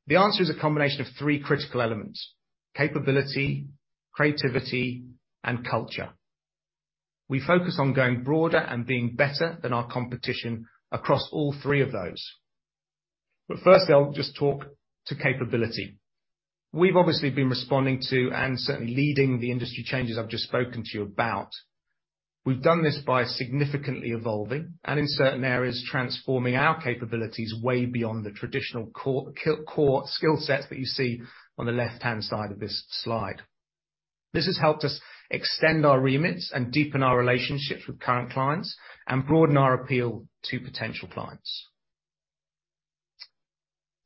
The answer is a combination of three critical elements: capability, creativity, and culture. We focus on going broader and being better than our competition across all three of those. First, I'll just talk to capability. We've obviously been responding to and certainly leading the industry changes I've just spoken to you about. We've done this by significantly evolving and in certain areas, transforming our capabilities way beyond the traditional core skill sets that you see on the left-hand side of this slide. This has helped us extend our remits and deepen our relationships with current clients and broaden our appeal to potential clients.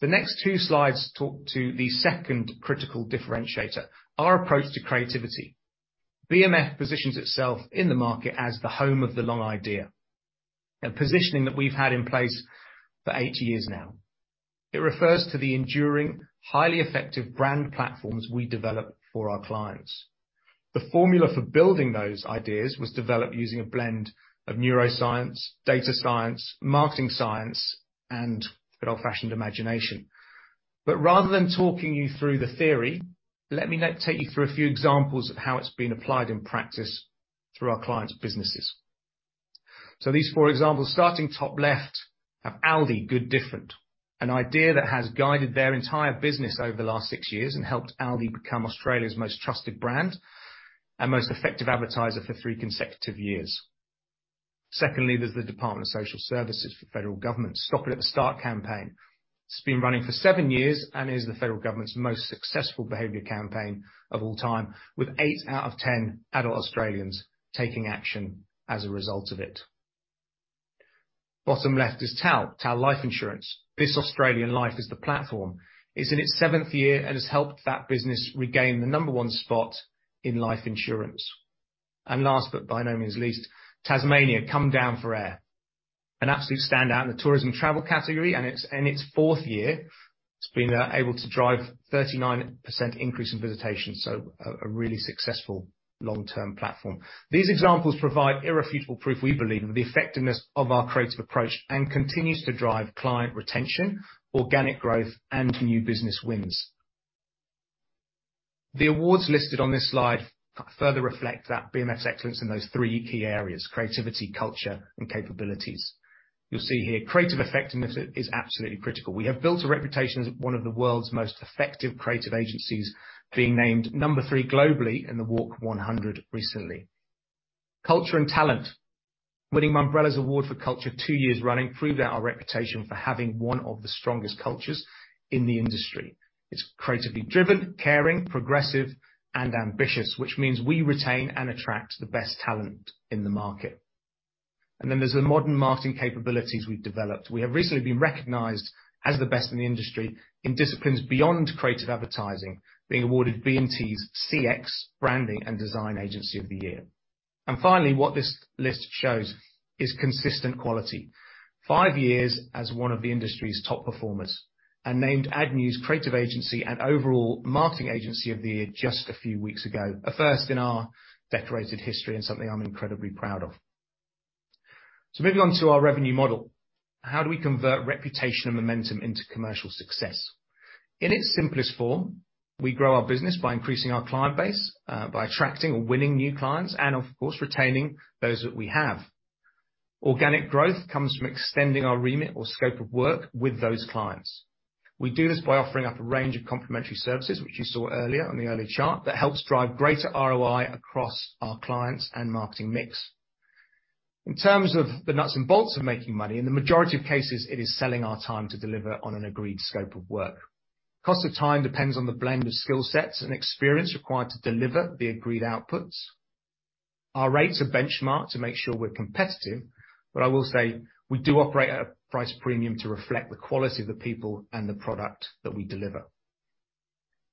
The next two slides talk to the second critical differentiator, our approach to creativity. BMF positions itself in the market as the home of the long idea, a positioning that we've had in place for eight years now. It refers to the enduring, highly effective brand platforms we develop for our clients. The formula for building those ideas was developed using a blend of neuroscience, data science, marketing science, and good old-fashioned imagination. Rather than talking you through the theory, let me now take you through a few examples of how it's been applied in practice through our clients' businesses. These four examples, starting top left, have ALDI Good Different, an idea that has guided their entire business over the last six years and helped ALDI become Australia's most trusted brand and most effective advertiser for three consecutive years. Secondly, there's the Department of Social Services for federal government's Stop it at the Start campaign. It's been running for seven years and is the federal government's most successful behavior campaign of all time, with eight out of 10 adult Australians taking action as a result of it. Bottom left is TAL Life Insurance. This Australian life is the platform. It's in its 7th year and has helped that business regain the number one spot in life insurance. Last, but by no means least, Tasmania – Come Down For Air, an absolute standout in the tourism travel category. In its 4th year, it's been able to drive 39% increase in visitation, so a really successful long-term platform. These examples provide irrefutable proof, we believe, of the effectiveness of our creative approach and continues to drive client retention, organic growth, and new business wins. The awards listed on this slide further reflect that BMF's excellence in those three key areas: creativity, culture, and capabilities. You'll see here creative effectiveness is absolutely critical. We have built a reputation as one of the world's most effective creative agencies, being named number three globally in the WARC 100 recently. Culture and talent. Winning Mumbrella's award for culture two years running proved our reputation for having one of the strongest cultures in the industry. It's creatively driven, caring, progressive, and ambitious, which means we retain and attract the best talent in the market. Then there's the modern marketing capabilities we've developed. We have recently been recognized as the best in the industry in disciplines beyond creative advertising, being awarded B&T's CX Branding and Design Agency of the Year. Finally, what this list shows is consistent quality. Five years as one of the industry's top performers and named AdNews Creative Agency and Overall Marketing Agency of the Year just a few weeks ago. A first in our decorated history and something I'm incredibly proud of. Moving on to our revenue model. How do we convert reputation and momentum into commercial success? In its simplest form, we grow our business by increasing our client base, by attracting or winning new clients and of course, retaining those that we have. Organic growth comes from extending our remit or scope of work with those clients. We do this by offering up a range of complementary services, which you saw earlier on the early chart, that helps drive greater ROI across our clients and marketing mix. In terms of the nuts and bolts of making money, in the majority of cases, it is selling our time to deliver on an agreed scope of work. Cost of time depends on the blend of skill sets and experience required to deliver the agreed outputs. Our rates are benchmarked to make sure we're competitive, but I will say we do operate at a price premium to reflect the quality of the people and the product that we deliver.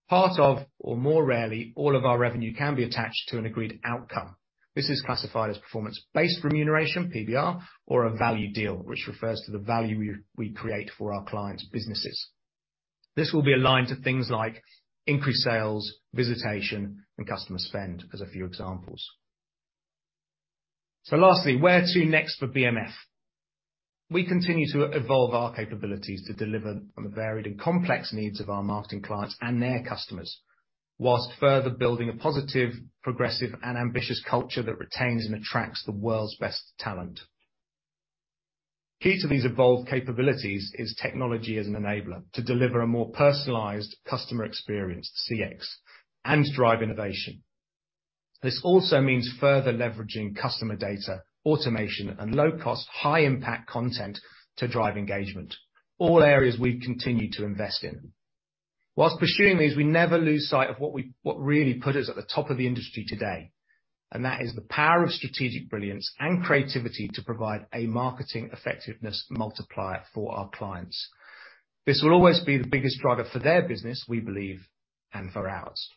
Part of, or more rarely, all of our revenue can be attached to an agreed outcome. This is classified as performance-based remuneration, PBR, or a value deal, which refers to the value we create for our clients' businesses. This will be aligned to things like increased sales, visitation, and customer spend, as a few examples. Lastly, where to next for BMF? We continue to evolve our capabilities to deliver on the varied and complex needs of our marketing clients and their customers, whilst further building a positive, progressive, and ambitious culture that retains and attracts the world's best talent. Key to these evolved capabilities is technology as an enabler to deliver a more personalized customer experience, CX, and drive innovation. This also means further leveraging customer data, automation, and low-cost, high-impact content to drive engagement. All areas we continue to invest in. Whilst pursuing these, we never lose sight of what really put us at the top of the industry today, and that is the power of strategic brilliance and creativity to provide a marketing effectiveness multiplier for our clients. This will always be the biggest driver for their business, we believe, and for ours.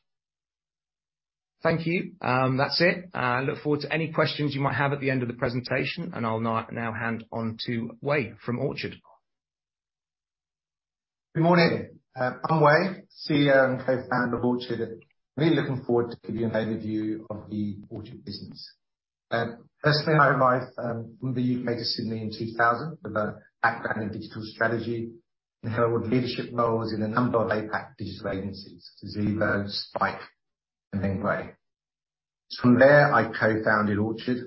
Thank you. That's it. I look forward to any questions you might have at the end of the presentation. I'll now hand on to Wei from Orchard. Good morning. I'm Wei, CEO and co-founder of Orchard. Really looking forward to giving an overview of the Orchard business. personally I arrived from the U.K. to Sydney in 2000 with a background in digital strategy, and held leadership roles in a number of APAC digital agencies, such as Zevo, Spike, and then Grey. From there, I co-founded Orchard,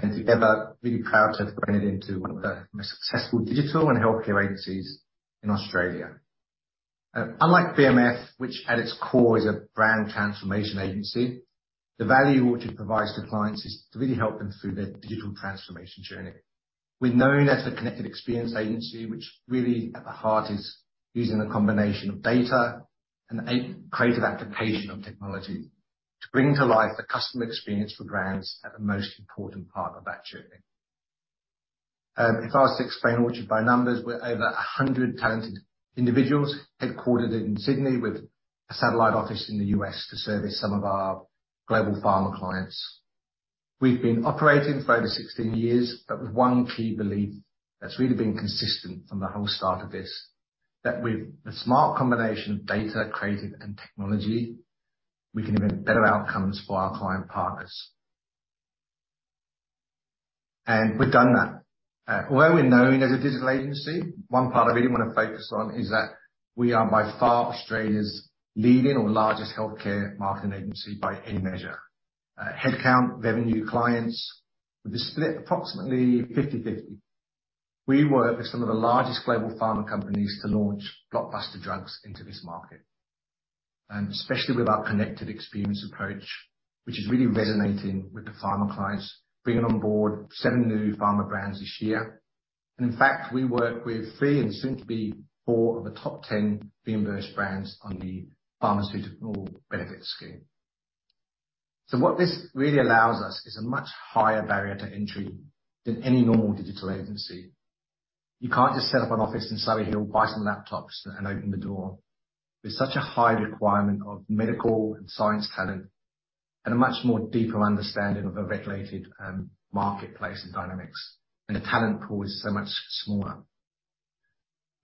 and together really proud to have grown it into one of the most successful digital and healthcare agencies in Australia. unlike BMF, which at its core is a brand transformation agency, the value Orchard provides to clients is to really help them through their digital transformation journey. We're known as a connected experience agency, which really at the heart is using a combination of data and a creative application of technology to bring to life the customer experience for brands at the most important part of that journey. If I was to explain Orchard by numbers, we're over 100 talented individuals, headquartered in Sydney with a satellite office in the U.S. to service some of our global pharma clients. We've been operating for over 16 years, but with one key belief that's really been consistent from the whole start of this, that with a smart combination of data, creative, and technology, we can emit better outcomes for our client partners. We've done that. Where we're known as a digital agency, one part I really wanna focus on is that we are by far Australia's leading or largest healthcare marketing agency by any measure. Head count, revenue, clients. We're split approximately 50/50. We work with some of the largest global pharma companies to launch blockbuster drugs into this market, and especially with our connected experience approach, which is really resonating with the pharma clients, bringing on board seven new pharma brands this year. In fact, we work with three and soon to be four of the top 10 reimbursed brands on the Pharmaceutical Benefits Scheme. What this really allows us is a much higher barrier to entry than any normal digital agency. You can't just set up an office in Surry Hills, buy some laptops, and open the door. With such a high requirement of medical and science talent and a much more deeper understanding of the regulated marketplace and dynamics, and the talent pool is so much smaller.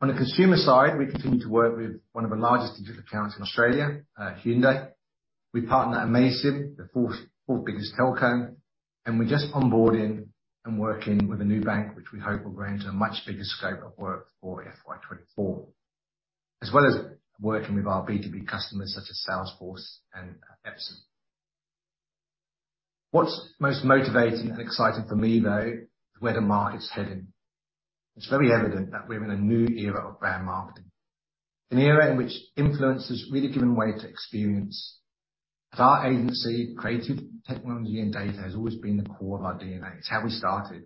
On the consumer side, we continue to work with one of the largest digital accounts in Australia, Hyundai. We partner with amaysim, the fourth biggest telco, and we're just onboarding and working with a new bank which we hope will grow into a much bigger scope of work for FY 2024. As well as working with our B2B customers such as Salesforce and Epson. What's most motivating and exciting for me, though, is where the market is heading. It's very evident that we're in a new era of brand marketing. An era in which influence has really given way to experience. At our agency, creative technology and data has always been the core of our DNA. It's how we started.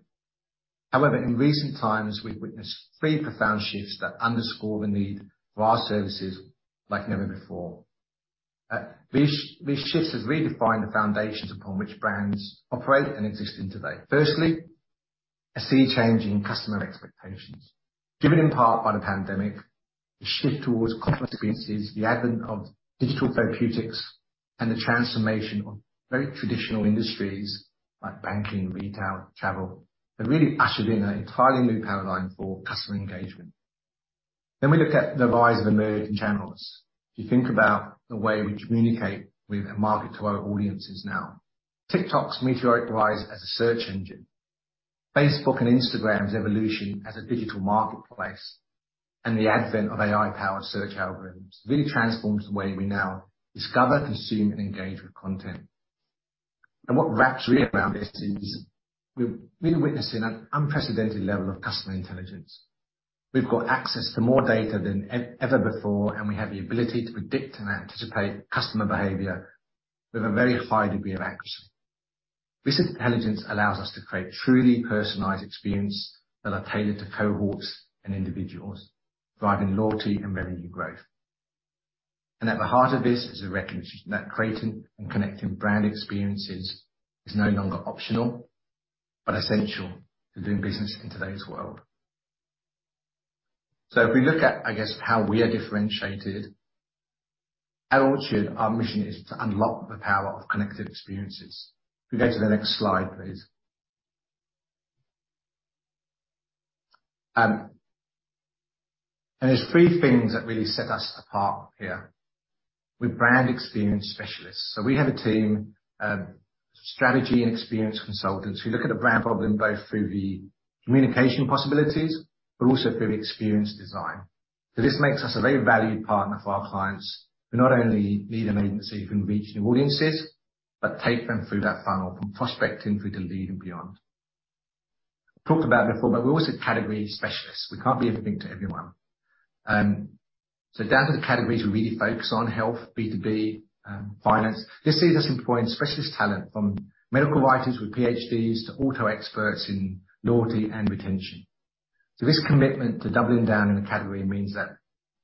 However, in recent times, we've witnessed three profound shifts that underscore the need for our services like never before. These shifts have redefined the foundations upon which brands operate and exist in today. Firstly, a sea change in customer expectations. Driven in part by the pandemic, the shift towards complex experiences, the advent of digital therapeutics, and the transformation of very traditional industries like banking, retail, travel, have really ushered in an entirely new paradigm for customer engagement. We look at the rise of emerging channels. If you think about the way we communicate with and market to our audiences now. TikTok's meteoric rise as a search engine, Facebook and Instagram's evolution as a digital marketplace. The advent of AI powered search algorithms really transforms the way we now discover, consume, and engage with content. What wraps really around this is we're really witnessing an unprecedented level of customer intelligence. We've got access to more data than ever before, we have the ability to predict and anticipate customer behavior with a very high degree of accuracy. This intelligence allows us to create truly personalized experience that are tailored to cohorts and individuals, driving loyalty and revenue growth. At the heart of this is a recognition that creating and connecting brand experiences is no longer optional, but essential to doing business in today's world. If we look at, I guess, how we are differentiated, at Orchard, our mission is to unlock the power of connected experiences. If we go to the next slide, please. There's three things that really set us apart here. We're brand experience specialists. We have a team of strategy and experience consultants who look at a brand problem both through the communication possibilities but also through experience design. This makes us a very valued partner for our clients who not only need an agency who can reach new audiences, but take them through that funnel from prospecting through to lead and beyond. Talked about it before, we're also category specialists. Down to the categories, we really focus on health, B2B, finance. This sees us employing specialist talent from medical writers with PhDs to auto experts in loyalty and retention. This commitment to doubling down in a category means that,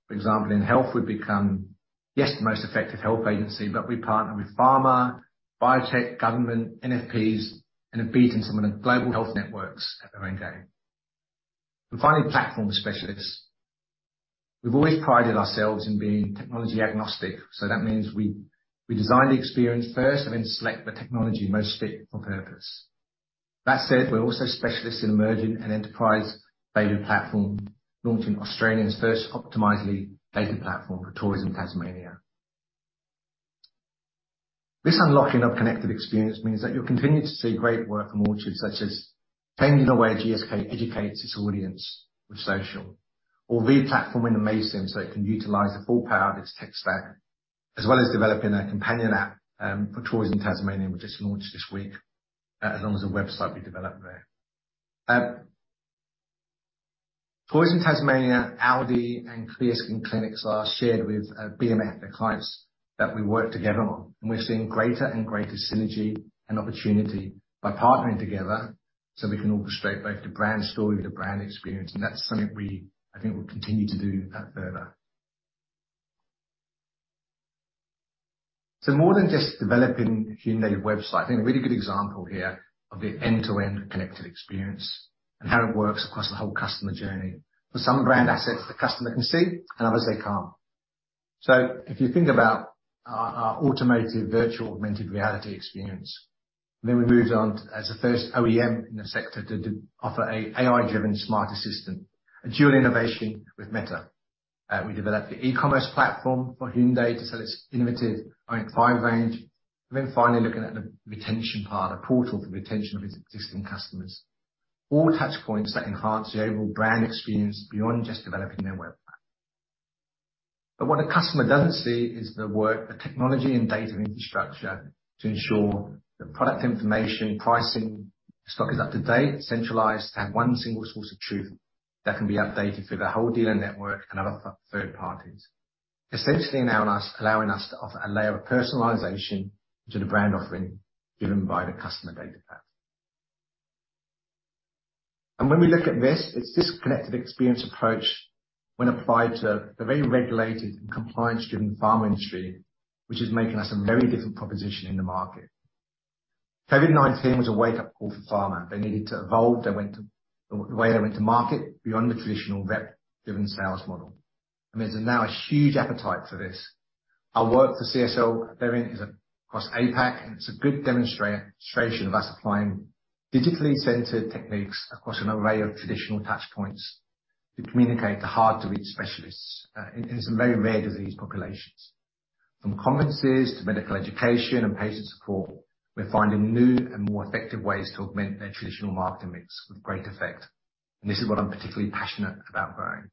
for example, in health, we've become, yes, the most effective health agency, but we partner with pharma, biotech, government, NFPs, and have beaten some of the global health networks at their own game. Finally, platform specialists. We've always prided ourselves in being technology agnostic, so that means we design the experience first and then select the technology most fit for purpose. That said, we're also specialists in emerging and enterprise data platform, launching Australia's first Optimizely data platform for Tourism Tasmania. This unlocking of connected experience means that you'll continue to see great work from Orchard, such as changing the way GSK educates its audience with social or re-platforming Amaze so it can utilize the full power of its tech stack, as well as developing a companion app for Tourism Tasmania, which just launched this week, as long as the website we developed there. Tourism Tasmania, Audi, and Clear Skin Clinics are shared with BMF, the clients that we work together on. We're seeing greater and greater synergy and opportunity by partnering together, so we can orchestrate both the brand story with the brand experience, and that's something we, I think will continue to do that further. More than just developing a Hyundai website, I think a really good example here of the end-to-end connected experience and how it works across the whole customer journey. For some brand assets, the customer can see and others they can't. If you think about our automated virtual augmented reality experience, then we moved on as the first OEM in the sector to offer a AI-driven smart assistant, a dual innovation with Meta. We developed the e-commerce platform for Hyundai to sell its innovative IONIQ 5 range. Finally, looking at the retention part, a portal for retention of its existing customers. All touch points that enhance the overall brand experience beyond just developing their web app. What a customer doesn't see is the work, the technology and data infrastructure to ensure the product information, pricing, stock is up to date, centralized to have one single source of truth that can be updated through the whole dealer network and other third parties, essentially allowing us to offer a layer of personalization to the brand offering given by the customer data platform. When we look at this, it's this connected experience approach when applied to the very regulated and compliance-driven pharma industry, which is making us a very different proposition in the market. COVID-19 was a wake-up call for pharma. They needed to evolve the way they went to market beyond the traditional rep-driven sales model. There's now a huge appetite for this. Our work for CSL Behring is across APAC, and it's a good demonstration of us applying digitally centered techniques across an array of traditional touch points to communicate to hard-to-reach specialists in some very rare disease populations. From conferences to medical education and patient support, we're finding new and more effective ways to augment their traditional marketing mix with great effect. This is what I'm particularly passionate about growing.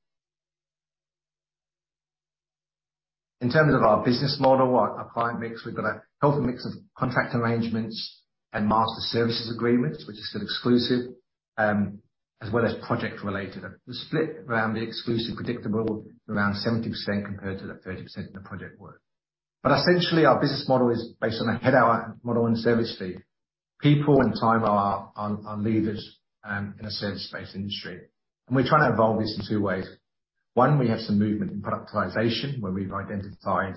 In terms of our business model, our client mix, we've got a healthy mix of contract arrangements and master services agreements, which is an exclusive as well as project related. The split around the exclusive predictable is around 70% compared to the 30% in the project work. Essentially, our business model is based on a head hour model and service fee. People and time are our leaders in a service-based industry. We're trying to evolve this in two ways. One, we have some movement in productization where we've identified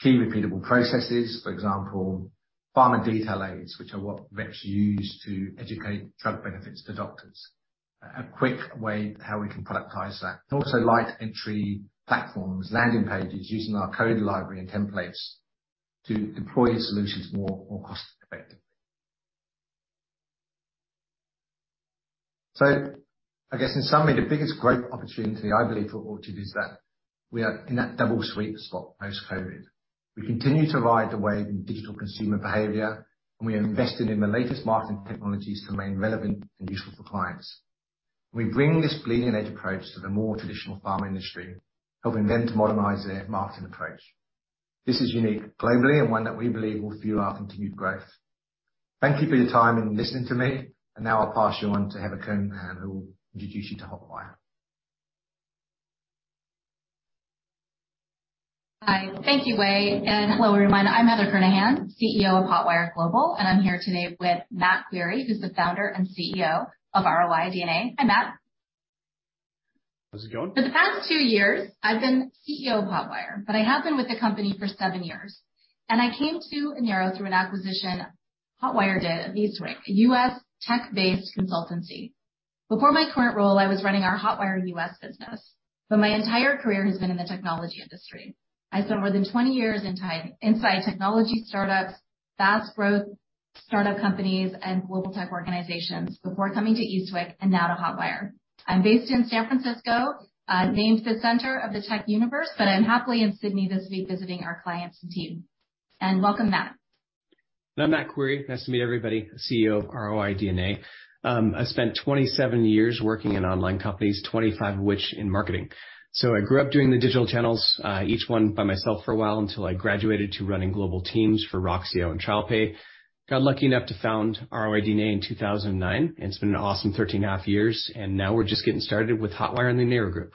key repeatable processes. For example, pharma detail aids, which are what reps use to educate drug benefits to doctors. A quick way how we can productize that. Also light entry platforms, landing pages, using our code library and templates to deploy solutions more cost-effectively. I guess in summary, the biggest growth opportunity I believe for Orchard is that. We are in that double sweep spot post-COVID. We continue to ride the wave in digital consumer behavior, and we are invested in the latest marketing technologies to remain relevant and useful for clients. We bring this bleeding-edge approach to the more traditional pharma industry, helping them to modernize their marketing approach. This is unique globally and one that we believe will fuel our continued growth. Thank you for your time in listening to me. Now I'll pass you on to Heather Kernahan, who will introduce you to Hotwire. Hi. Thank you, Wei. A little reminder, I'm Heather Kernahan, CEO of Hotwire Global, and I'm here today with Matt Querie, who's the Founder and CEO of ROI·DNA. Hi, Matt. How's it going? For the past two years, I've been CEO of Hotwire, but I have been with the company for seven years, and I came to Enero through an acquisition Hotwire did of Eastwick, a U.S. tech-based consultancy. Before my current role, I was running our Hotwire U.S. business, but my entire career has been in the technology industry. I spent more than 20 years inside technology startups, fast growth startup companies, and global tech organizations before coming to Eastwick and now to Hotwire. I'm based in San Francisco, named the center of the tech universe, but I'm happily in Sydney this week visiting our clients and team. Welcome, Matt. I'm Matt Querie. Nice to meet everybody. CEO of ROI·DNA. I spent 27 years working in online companies, 25 of which in marketing. I grew up doing the digital channels, each one by myself for a while, until I graduated to running global teams for Roxio and Childpay. Got lucky enough to found ROI·DNA in 2009, and it's been an awesome 13.5 years, and now we're just getting started with Hotwire and the Enero Group.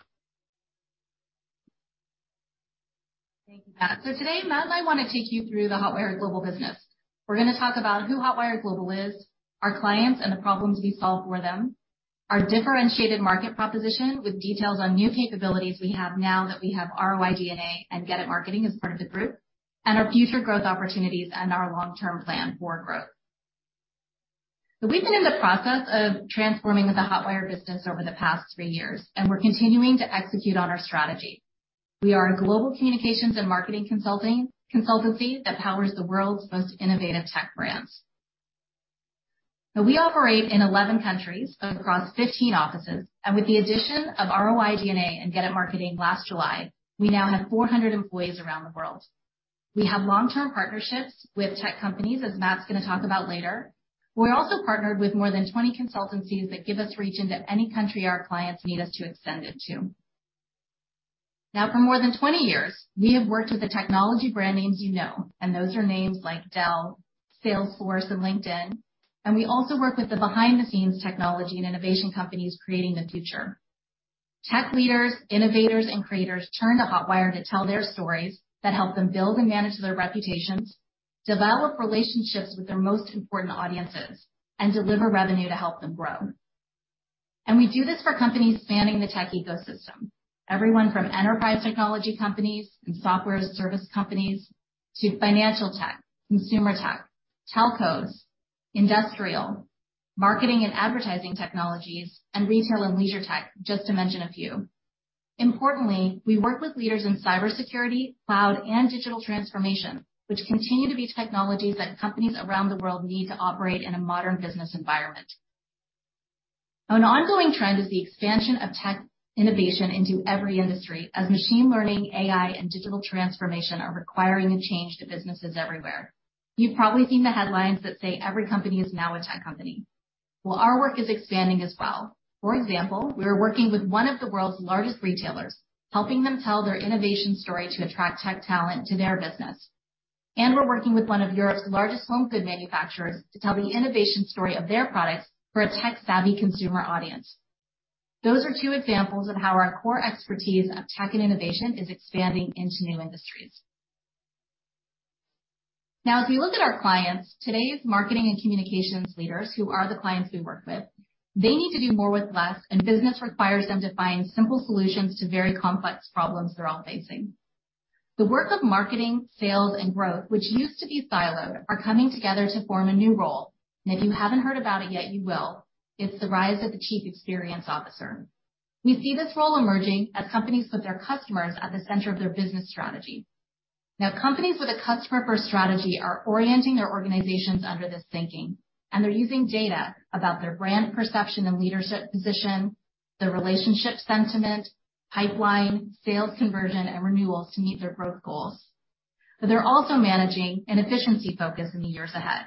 Thank you, Matt. Today, Matt and I want to take you through the Hotwire Global business. We're gonna talk about who Hotwire Global is, our clients and the problems we solve for them, our differentiated market proposition with details on new capabilities we have now that we have ROI·DNA and GetIT Marketing as part of the group, and our future growth opportunities and our long-term plan for growth. We've been in the process of transforming the Hotwire business over the past three years, and we're continuing to execute on our strategy. We are a global communications and marketing consultancy that powers the world's most innovative tech brands. We operate in 11 countries across 15 offices, and with the addition of ROI·DNA and GetIT Marketing last July, we now have 400 employees around the world. We have long-term partnerships with tech companies, as Matt's gonna talk about later. We're also partnered with more than 20 consultancies that give us reach into any country our clients need us to extend into. Now, for more than 20 years, we have worked with the technology brand names you know, and those are names like Dell, Salesforce and LinkedIn. We also work with the behind-the-scenes technology and innovation companies creating the future. Tech leaders, innovators, and creators turn to Hotwire to tell their stories that help them build and manage their reputations, develop relationships with their most important audiences, and deliver revenue to help them grow. We do this for companies spanning the tech ecosystem. Everyone from enterprise technology companies and software to service companies to financial tech, consumer tech, telcos, industrial, marketing and advertising technologies, and retail and leisure tech, just to mention a few. Importantly, we work with leaders in cybersecurity, cloud, and digital transformation, which continue to be technologies that companies around the world need to operate in a modern business environment. An ongoing trend is the expansion of tech innovation into every industry as machine learning, AI, and digital transformation are requiring a change to businesses everywhere. You've probably seen the headlines that say every company is now a tech company. Well, our work is expanding as well. For example, we are working with one of the world's largest retailers, helping them tell their innovation story to attract tech talent to their business. We're working with one of Europe's largest home good manufacturers to tell the innovation story of their products for a tech-savvy consumer audience. Those are two examples of how our core expertise of tech and innovation is expanding into new industries. As we look at our clients, today's marketing and communications leaders who are the clients we work with, they need to do more with less, and business requires them to find simple solutions to very complex problems they're all facing. The work of marketing, sales, and growth, which used to be siloed, are coming together to form a new role. If you haven't heard about it yet, you will. It's the rise of the chief experience officer. We see this role emerging as companies put their customers at the center of their business strategy. Companies with a customer-first strategy are orienting their organizations under this thinking, and they're using data about their brand perception and leadership position, their relationship sentiment, pipeline, sales conversion, and renewals to meet their growth goals. They're also managing an efficiency focus in the years ahead.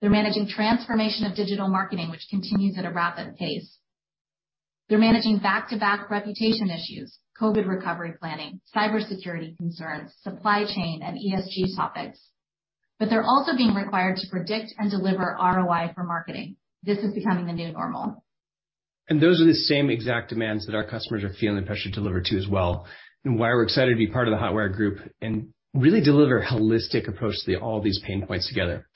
They're managing transformation of digital marketing, which continues at a rapid pace. They're managing back-to-back reputation issues, COVID recovery planning, cybersecurity concerns, supply chain and ESG topics. They're also being required to predict and deliver ROI for marketing. This is becoming the new normal. Those are the same exact demands that our customers are feeling the pressure to deliver to as well and why we're excited to be part of the Hotwire group and really deliver a holistic approach to all these pain points together.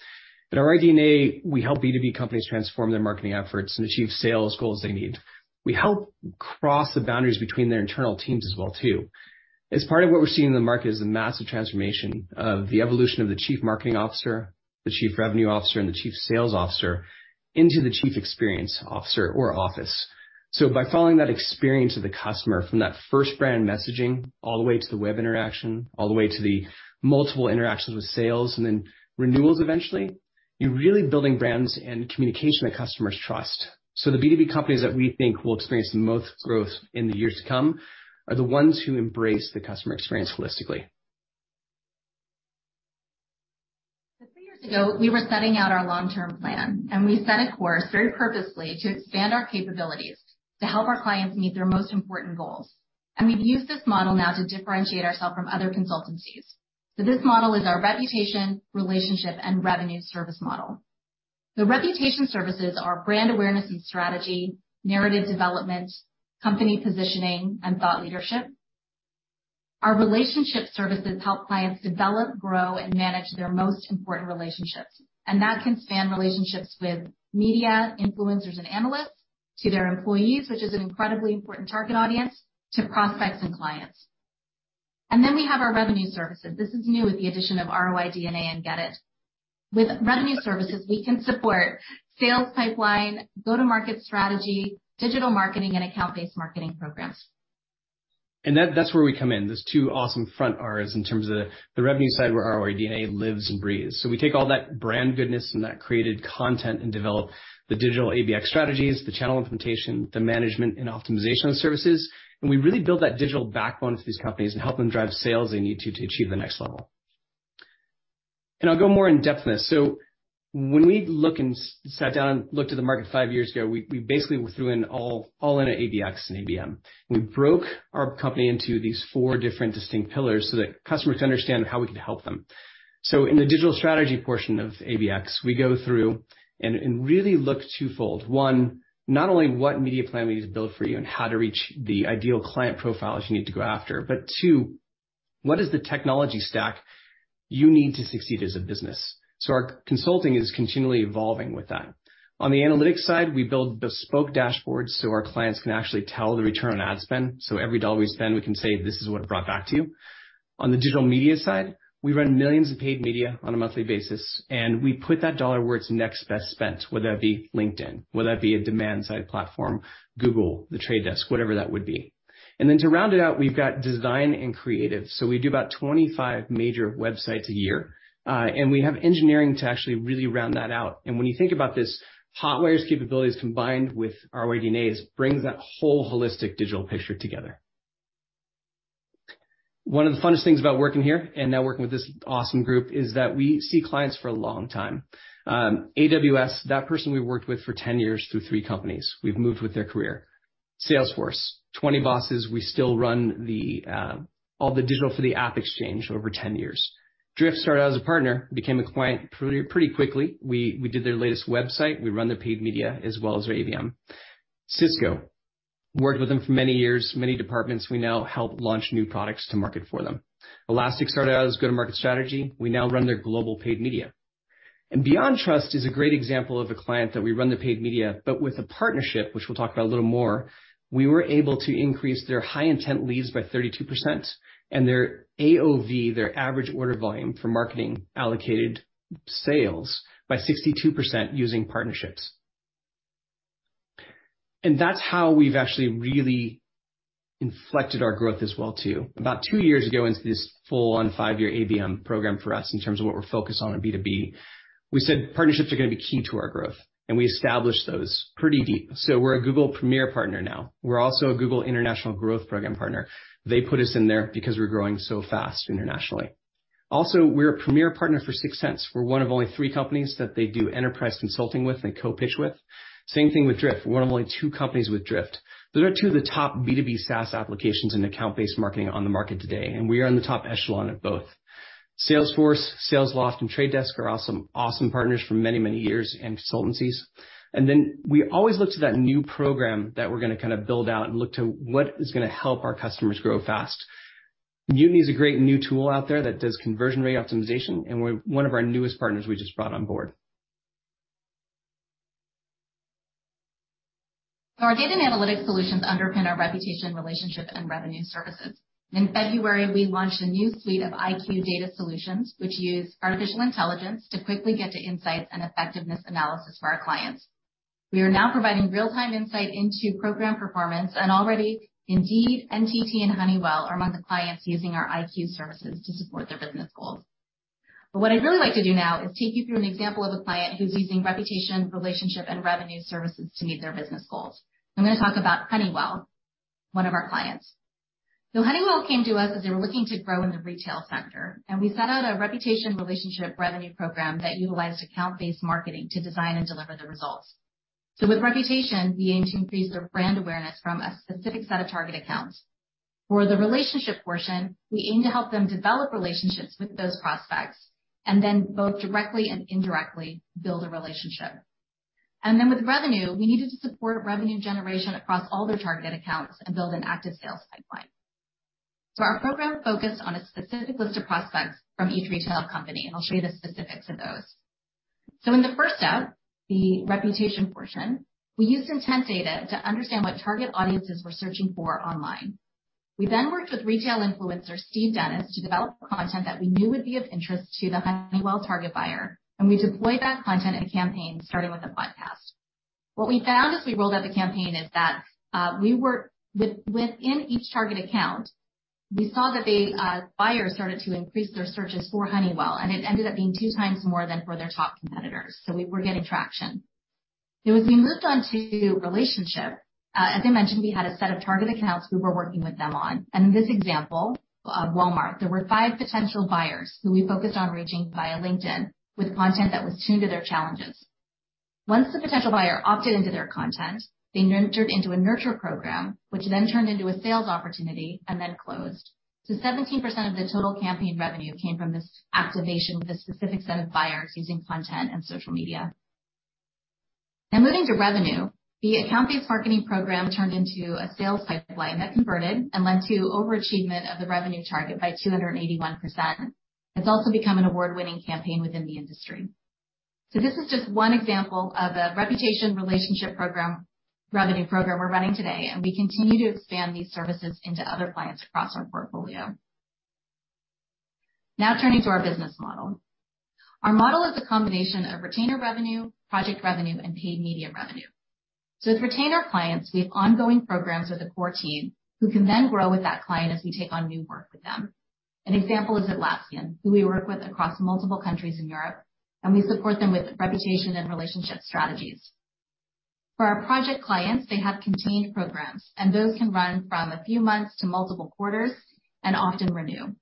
At ROI·DNA, we help B2B companies transform their marketing efforts and achieve sales goals they need. We help cross the boundaries between their internal teams as well, too. As part of what we're seeing in the market is the massive transformation of the evolution of the Chief Marketing Officer, the Chief Revenue Officer, and the Chief Sales Officer into the Chief Experience Officer or office. By following that experience of the customer from that first brand messaging all the way to the web interaction, all the way to the multiple interactions with sales and then renewals eventually. You're really building brands and communication that customers trust. The B2B companies that we think will experience the most growth in the years to come are the ones who embrace the customer experience holistically. Three years ago, we were setting out our long-term plan, and we set a course very purposefully to expand our capabilities to help our clients meet their most important goals. We've used this model now to differentiate ourselves from other consultancies. This model is our reputation, relationship, and revenue service model. The reputation services are brand awareness and strategy, narrative development, company positioning, and thought leadership. Our relationship services help clients develop, grow, and manage their most important relationships, and that can span relationships with media, influencers, and analysts to their employees, which is an incredibly important target audience, to prospects and clients. We have our revenue services. This is new with the addition of ROI·DNA and GetIT. With revenue services, we can support sales pipeline, go-to-market strategy, digital marketing, and account-based marketing programs. That's where we come in. Those two awesome front Rs in terms of the revenue side where ROI·DNA lives and breathes. We take all that brand goodness and that created content and develop the digital ABX strategies, the channel implementation, the management and optimization services, and we really build that digital backbone for these companies and help them drive sales they need to achieve the next level. I'll go more in depth in this. When we look and sat down and looked at the market five years ago, we basically threw in all in at ABX and ABM. We broke our company into these four different distinct pillars so that customers understand how we can help them. In the digital strategy portion of ABX, we go through and really look twofold. One, not only what media plan we just built for you and how to reach the ideal client profiles you need to go after. Two, what is the technology stack you need to succeed as a business? Our consulting is continually evolving with that. On the analytics side, we build bespoke dashboards so our clients can actually tell the return on ad spend. Every dollar we spend, we can say, "This is what it brought back to you." On the digital media side, we run millions of paid media on a monthly basis, and we put that dollar where it's next best spent, whether that be LinkedIn, whether that be a demand-side platform, Google, The Trade Desk, whatever that would be. Then to round it out, we've got design and creative. We do about 25 major websites a year, and we have engineering to actually really round that out. When you think about this, Hotwire's capabilities combined with ROI·DNA's brings that whole holistic digital picture together. One of the funnest things about working here and now working with this awesome group is that we see clients for a long time. AWS, that person we worked with for 10 years through three companies. We've moved with their career. Salesforce, 20 bosses, we still run the all the digital for the AppExchange over 10 years. Drift started out as a partner, became a client pretty quickly. We did their latest website. We run their paid media as well as their ABM. Cisco, worked with them for many years, many departments. We now help launch new products to market for them. Elastic started out as go-to-market strategy. We now run their global paid media. BeyondTrust is a great example of a client that we run the paid media, but with a partnership, which we'll talk about a little more, we were able to increase their high intent leads by 32% and their AOV, their average order volume for marketing allocated sales by 62% using partnerships. That's how we've actually really inflected our growth as well too. About two years ago into this full on five-year ABM program for us in terms of what we're focused on in B2B, we said partnerships are gonna be key to our growth, and we established those pretty deep. We're a Google Premier Partner now. We're also a Google International Growth Program partner. They put us in there because we're growing so fast internationally. We're a premier partner for 6sense. We're one of only three companies that they do enterprise consulting with and co-pitch with. Same thing with Drift, we're one of only two companies with Drift. Those are two of the top B2B SaaS applications and account-based marketing on the market today, and we are in the top echelon of both. Salesforce, Salesloft, and The Trade Desk are awesome partners for many, many years and consultancies. We always look to that new program that we're gonna kinda build out and look to what is gonna help our customers grow fast. Mutiny is a great new tool out there that does conversion rate optimization and one of our newest partners we just brought on board. Our data and analytics solutions underpin our reputation, relationship, and revenue services. In February, we launched a new suite of IQ data solutions, which use artificial intelligence to quickly get to insights and effectiveness analysis for our clients. We are now providing real-time insight into program performance, and already Indeed, NTT, and Honeywell are among the clients using our IQ services to support their business goals. What I'd really like to do now is take you through an example of a client who's using reputation, relationship, and revenue services to meet their business goals. I'm gonna talk about Honeywell, one of our clients. Honeywell came to us as they were looking to grow in the retail sector, and we set out a reputation relationship revenue program that utilized account-based marketing to design and deliver the results. With reputation, we aim to increase their brand awareness from a specific set of target accounts. For the relationship portion, we aim to help them develop relationships with those prospects and then both directly and indirectly build a relationship. With revenue, we needed to support revenue generation across all their target accounts and build an active sales pipeline. Our program focused on a specific list of prospects from each retail company, and I'll show you the specifics of those. In the first out, the reputation portion, we used intent data to understand what target audiences were searching for online. We then worked with retail influencer Steve Dennis to develop content that we knew would be of interest to the Honeywell target buyer, and we deployed that content in a campaign starting with a podcast. What we found as we rolled out the campaign is that within each target account, we saw that the buyers started to increase their searches for Honeywell, and it ended up being 2x more than for their top competitors. We were getting traction. As we moved on to relationship, as I mentioned, we had a set of target accounts we were working with them on. In this example, Walmart, there were five potential buyers who we focused on reaching via LinkedIn with content that was tuned to their challenges. Once the potential buyer opted into their content, they entered into a nurture program, which then turned into a sales opportunity and then closed. 17% of the total campaign revenue came from this activation with a specific set of buyers using content and social media. Moving to revenue. The account-based marketing program turned into a sales pipeline that converted and led to overachievement of the revenue target by 281%. It's also become an award-winning campaign within the industry. This is just one example of a reputation relationship program, revenue program we're running today, and we continue to expand these services into other clients across our portfolio. Turning to our business model. Our model is a combination of retainer revenue, project revenue, and paid media revenue. With retainer clients, we have ongoing programs with a core team who can then grow with that client as we take on new work with them. An example is Atlassian, who we work with across multiple countries in Europe, and we support them with reputation and relationship strategies. For our project clients, they have contained programs, and those can run from a few months to multiple quarters and often renew.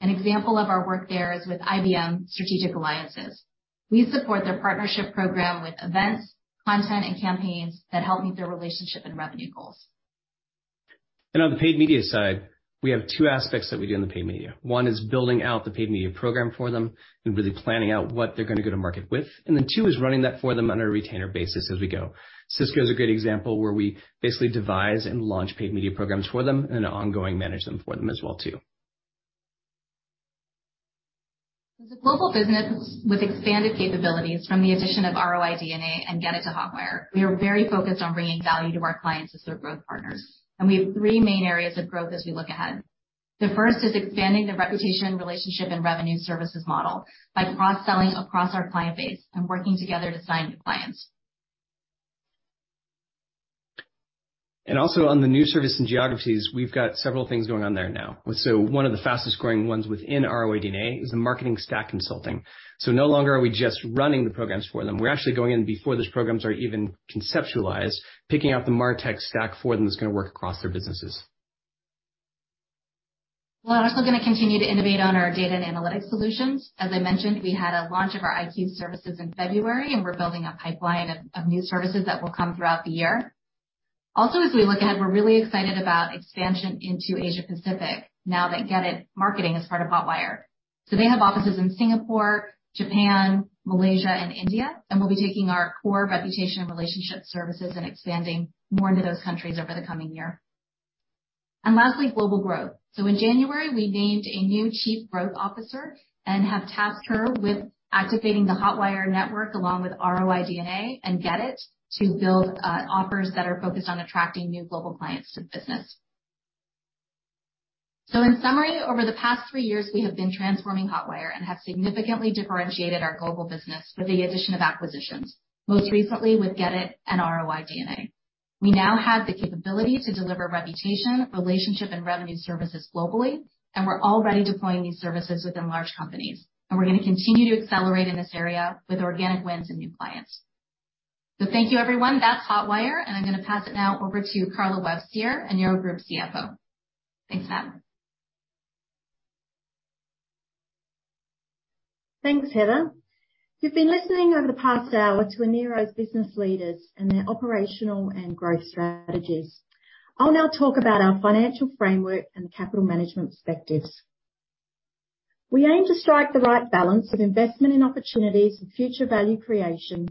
An example of our work there is with IBM Strategic Alliances. We support their partnership program with events, content, and campaigns that help meet their relationship and revenue goals. On the paid media side, we have two aspects that we do in the paid media. One is building out the paid media program for them and really planning out what they're gonna go to market with. Two is running that for them under a retainer basis as we go. Cisco is a great example where we basically devise and launch paid media programs for them and ongoing manage them for them as well, too. As a global business with expanded capabilities from the addition of ROI·DNA and GetIT to Hotwire, we are very focused on bringing value to our clients as their growth partners. We have three main areas of growth as we look ahead. The first is expanding the reputation, relationship, and revenue services model by cross-selling across our client base and working together to sign new clients. Also on the new service and geographies, we've got several things going on there now. One of the fastest-growing ones within ROI·DNA is the marketing stack consulting. No longer are we just running the programs for them. We're actually going in before those programs are even conceptualized, picking out the martech stack for them that's gonna work across their businesses. We're also gonna continue to innovate on our data and analytic solutions. As I mentioned, we had a launch of our IQ services in February. We're building a pipeline of new services that will come throughout the year. As we look ahead, we're really excited about expansion into Asia-Pacific now that GetIT Marketing is part of Hotwire. They have offices in Singapore, Japan, Malaysia, and India. We'll be taking our core reputation and relationship services and expanding more into those countries over the coming year. Lastly, global growth. In January, we named a new chief growth officer and have tasked her with activating the Hotwire network along with ROI·DNA and GetIT to build offers that are focused on attracting new global clients to the business. In summary, over the past three years, we have been transforming Hotwire and have significantly differentiated our global business with the addition of acquisitions, most recently with GetIT and ROI·DNA. We now have the capability to deliver reputation, relationship, and revenue services globally, and we're already deploying these services within large companies. We're gonna continue to accelerate in this area with organic wins and new clients. Thank you, everyone. That's Hotwire, and I'm gonna pass it now over to Carla Webb-Sear, Enero Group's CFO. Thanks, Matt. Thanks, Heather. You've been listening over the past hour to Enero's business leaders and their operational and growth strategies. I'll now talk about our financial framework and capital management perspectives. We aim to strike the right balance of investment in opportunities for future value creation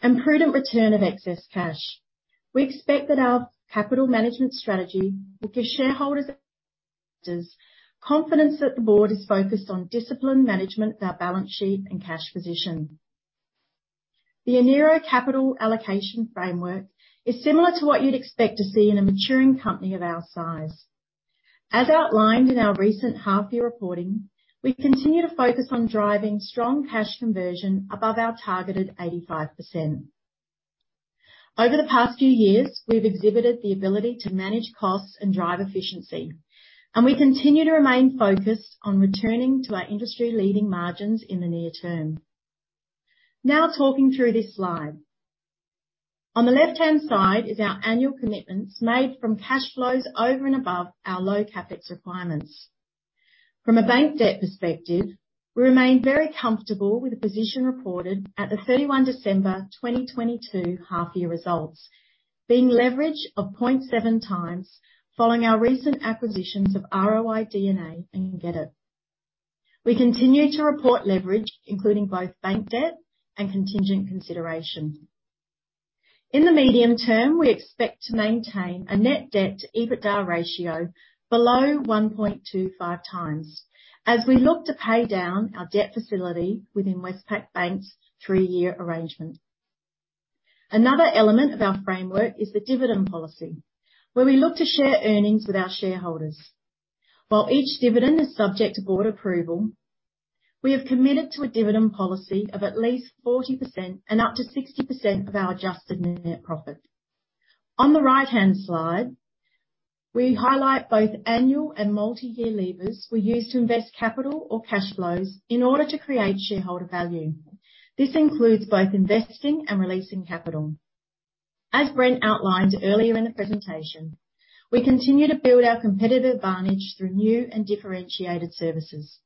and prudent return of excess cash. We expect that our capital management strategy will give shareholders confidence that the board is focused on disciplined management of our balance sheet and cash position. The Enero capital allocation framework is similar to what you'd expect to see in a maturing company of our size. As outlined in our recent half-year reporting, we continue to focus on driving strong cash conversion above our targeted 85%. Over the past few years, we've exhibited the ability to manage costs and drive efficiency, and we continue to remain focused on returning to our industry-leading margins in the near term. Talking through this slide. On the left-hand side is our annual commitments made from cash flows over and above our low CapEx requirements. From a bank debt perspective, we remain very comfortable with the position reported at the 31 December 2022 half-year results, being leverage of 0.7 times following our recent acquisitions of ROI·DNA and GetIT. We continue to report leverage, including both bank debt and contingent consideration. In the medium term, we expect to maintain a net debt to EBITDA ratio below 1.25x as we look to pay down our debt facility within Westpac Bank's 3-year arrangement. Another element of our framework is the dividend policy, where we look to share earnings with our shareholders. While each dividend is subject to board approval. We have committed to a dividend policy of at least 40% and up to 60% of our adjusted net profit. On the right-hand slide, we highlight both annual and multi-year levers we use to invest capital or cash flows in order to create shareholder value. This includes both investing and releasing capital. As Brent outlined earlier in the presentation, we continue to build our competitive advantage through new and differentiated services.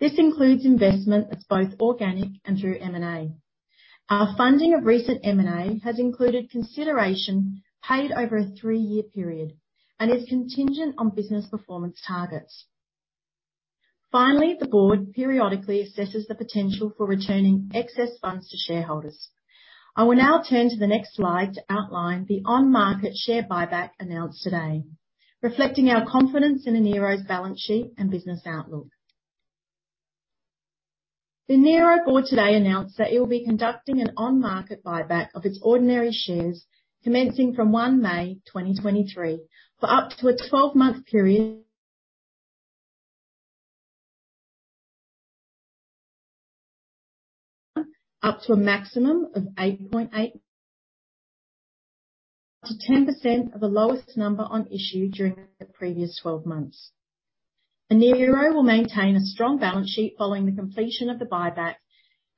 This includes investment that's both organic and through M&A. Our funding of recent M&A has included consideration paid over a 3-year period and is contingent on business performance targets. The board periodically assesses the potential for returning excess funds to shareholders. I will now turn to the next slide to outline the on-market share buyback announced today, reflecting our confidence in Enero's balance sheet and business outlook. The Enero board today announced that it will be conducting an on-market buyback of its ordinary shares commencing from May 1, 2023 for up to a 12-month period. Up to a maximum of 8.8. Up to 10% of the lowest number on issue during the previous 12 months. Enero will maintain a strong balance sheet following the completion of the buyback,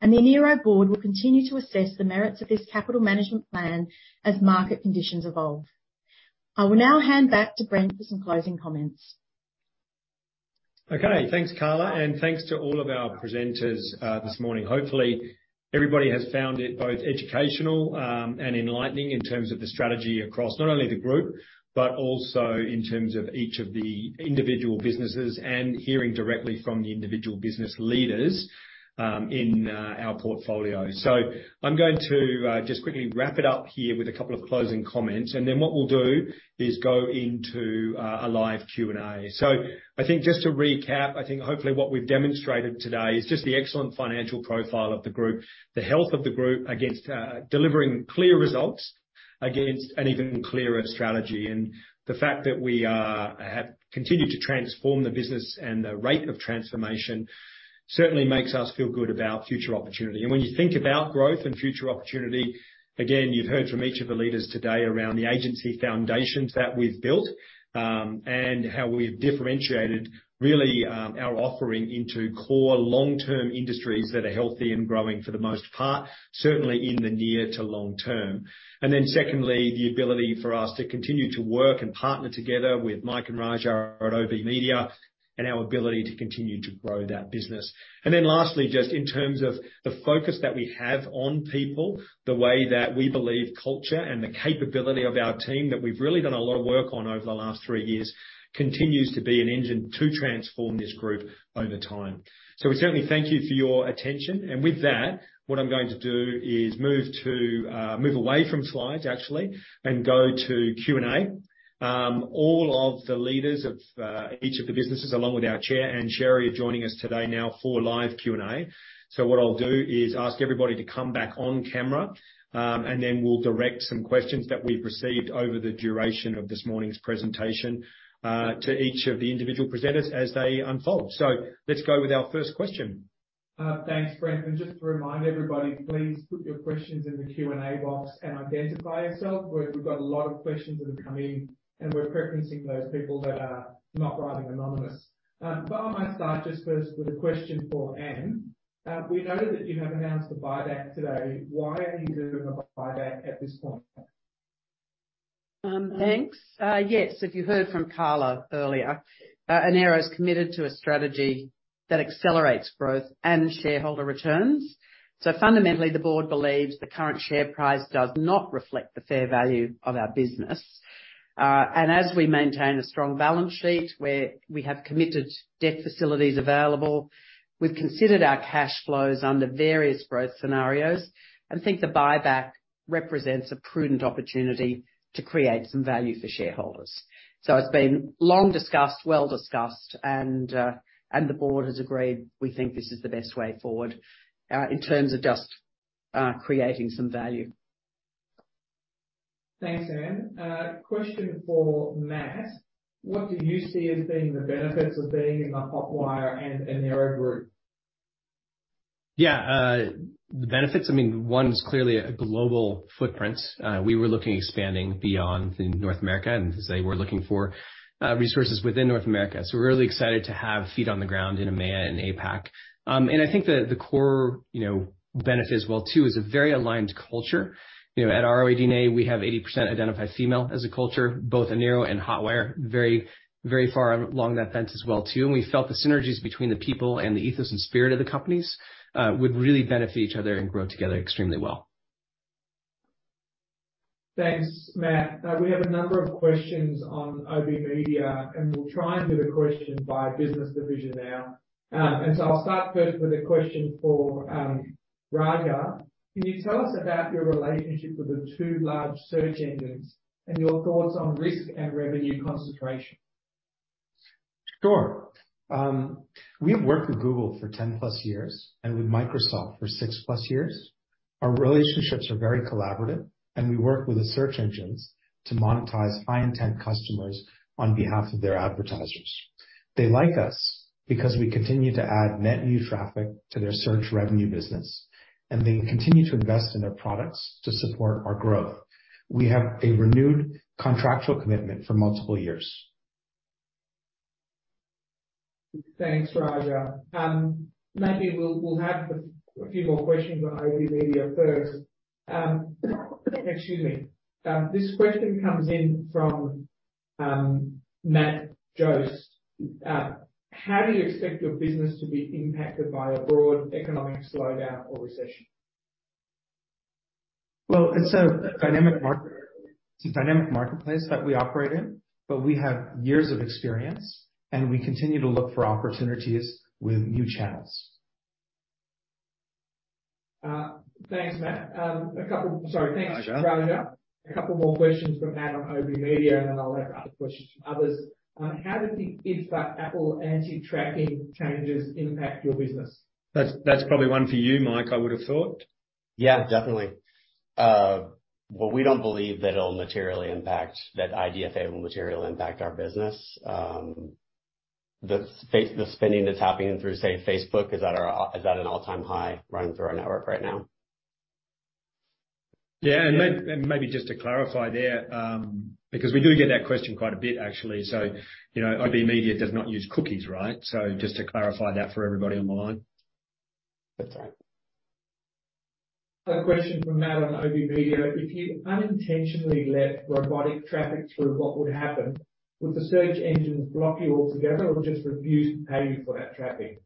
and the Enero board will continue to assess the merits of this capital management plan as market conditions evolve. I will now hand back to Brent for some closing comments. Okay. Thanks, Carla, and thanks to all of our presenters this morning. Hopefully, everybody has found it both educational and enlightening in terms of the strategy across not only the Group, but also in terms of each of the individual businesses and hearing directly from the individual business leaders in our portfolio. I'm going to just quickly wrap it up here with a couple of closing comments, and then what we'll do is go into a live Q&A. I think just to recap, I think hopefully what we've demonstrated today is just the excellent financial profile of the Group, the health of the Group against delivering clear results against an even clearer strategy. The fact that we have continued to transform the business and the rate of transformation certainly makes us feel good about future opportunity. When you think about growth and future opportunity, again, you've heard from each of the leaders today around the agency foundations that we've built and how we've differentiated really our offering into core long-term industries that are healthy and growing for the most part, certainly in the near to long term. Secondly, the ability for us to continue to work and partner together with Mike and Raja at OBMedia and our ability to continue to grow that business. Lastly, just in terms of the focus that we have on people, the way that we believe culture and the capability of our team that we've really done a lot of work on over the last three years continues to be an engine to transform this group over time. We certainly thank you for your attention. With that, what I'm going to do is move to move away from slides, actually, and go to Q&A. All of the leaders of each of the businesses, along with our chair, Ann Sherry, are joining us today now for live Q&A. What I'll do is ask everybody to come back on camera, and then we'll direct some questions that we've received over the duration of this morning's presentation to each of the individual presenters as they unfold. Let's go with our first question. Thanks, Brent. Just to remind everybody, please put your questions in the Q&A box and identify yourself. We've got a lot of questions that have come in, and we're preferencing those people that are not writing anonymous. I might start just first with a question for Ann. We noted that you have announced a buyback today. Why are you doing a buyback at this point? Thanks. Yes, if you heard from Carla earlier, Enero's committed to a strategy that accelerates growth and shareholder returns. Fundamentally, the board believes the current share price does not reflect the fair value of our business. As we maintain a strong balance sheet, where we have committed debt facilities available, we've considered our cash flows under various growth scenarios and think the buyback represents a prudent opportunity to create some value for shareholders. It's been long discussed, well discussed, and the board has agreed we think this is the best way forward, in terms of just, creating some value. Thanks, Ann. question for Matt: What do you see as being the benefits of being in the Hotwire and Enero Group? Yeah. The benefits, I mean, one is clearly a global footprint. We were looking at expanding beyond North America, as I say, we're looking for resources within North America. We're really excited to have feet on the ground in EMEA and APAC. I think the core, you know, benefit as well too is a very aligned culture. You know, at ROI·DNA, we have 80% identified female as a culture, both Enero and Hotwire, very, very far along that fence as well too. We felt the synergies between the people and the ethos and spirit of the companies, would really benefit each other and grow together extremely well. Thanks, Matt. We have a number of questions on OBMedia, and we'll try and do the question by business division now. I'll start first with a question for Raja. Can you tell us about your relationship with the two large search engines and your thoughts on risk and revenue concentration? Sure. We have worked with Google for 10+ years and with Microsoft for 6+ years. Our relationships are very collaborative. We work with the search engines to monetize high intent customers on behalf of their advertisers. They like us because we continue to add net new traffic to their search revenue business. They continue to invest in their products to support our growth. We have a renewed contractual commitment for multiple years. Thanks, Raja. maybe we'll have a few more questions on OBMedia first. excuse me. this question comes in from, Matt Joass. how do you expect your business to be impacted by a broad economic slowdown or recession? It's a dynamic market. It's a dynamic marketplace that we operate in, but we have years of experience, and we continue to look for opportunities with new channels. Thanks, Matt. Sorry. Raja. Thanks, Raja. A couple more questions from Matt on OBMedia. Then I'll have other questions from others. How did the Apple anti-tracking changes impact your business? That's probably one for you, Mike, I would've thought. Yeah, definitely. We don't believe that IDFA will materially impact our business. The spending that's happening through, say, Facebook is at an all-time high running through our network right now. Yeah. Maybe just to clarify there, because we do get that question quite a bit, actually. you know, OBMedia does not use cookies, right? just to clarify that for everybody on the line. That's right. A question from Matt on OBMedia. If you unintentionally let robotic traffic through, what would happen? Would the search engines block you altogether or just refuse to pay you for that traffic?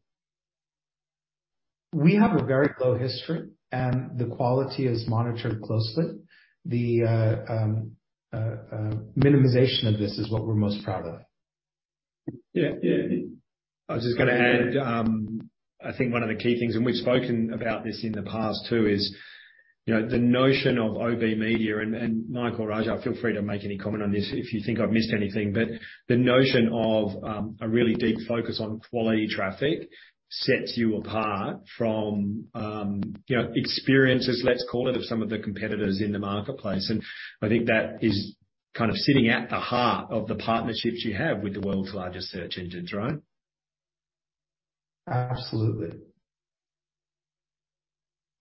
We have a very low history, and the quality is monitored closely. The minimization of this is what we're most proud of. Yeah. Yeah. I was just gonna add, I think one of the key things, and we've spoken about this in the past too, is, you know, the notion of OBMedia and, Mike or Raja, feel free to make any comment on this if you think I've missed anything. The notion of a really deep focus on quality traffic sets you apart from, you know, experiences, let's call it, of some of the competitors in the marketplace. I think that is kind of sitting at the heart of the partnerships you have with the world's largest search engines, right? Absolutely.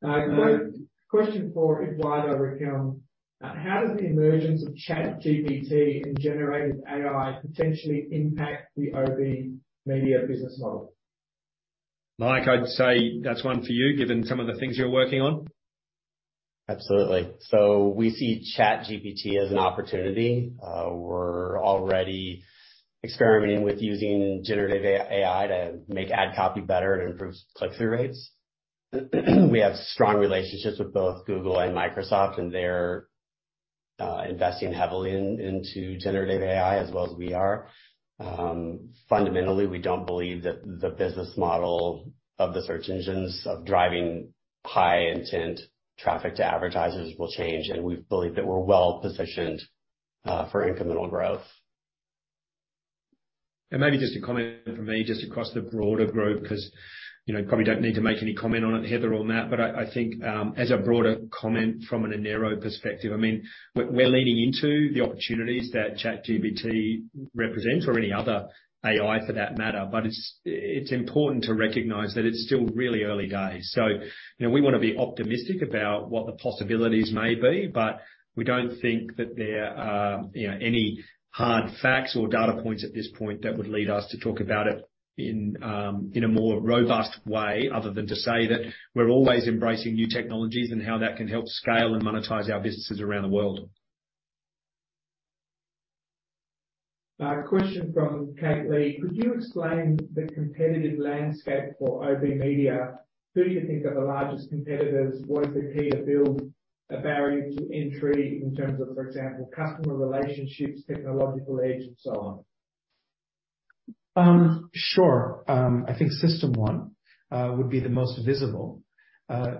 All right. A question for Hotwire account. How does the emergence of ChatGPT and generated AI potentially impact the OBMedia business model? Mike, I'd say that's one for you, given some of the things you're working on. Absolutely. We see ChatGPT as an opportunity. We're already experimenting with using generative AI to make ad copy better and improve click-through rates. We have strong relationships with both Google and Microsoft, and they're investing heavily into generative AI as well as we are. Fundamentally, we don't believe that the business model of the search engines of driving high intent traffic to advertisers will change, and we believe that we're well-positioned for incremental growth. Maybe just a comment from me just across the broader group, 'cause, you know, probably don't need to make any comment on it, Heather or Matt. I think, as a broader comment from an Enero perspective, I mean, we're leaning into the opportunities that ChatGPT represents or any other AI for that matter, but it's important to recognize that it's still really early days. You know, we wanna be optimistic about what the possibilities may be, but we don't think that there are, you know, any hard facts or data points at this point that would lead us to talk about it in a more robust way other than to say that we're always embracing new technologies and how that can help scale and monetize our businesses around the world. A question from Kate Lee: Could you explain the competitive landscape for OBMedia? Who do you think are the largest competitors? What is the key to build a barrier to entry in terms of, for example, customer relationships, technological edge, and so on? Sure. I think System1 would be the most visible.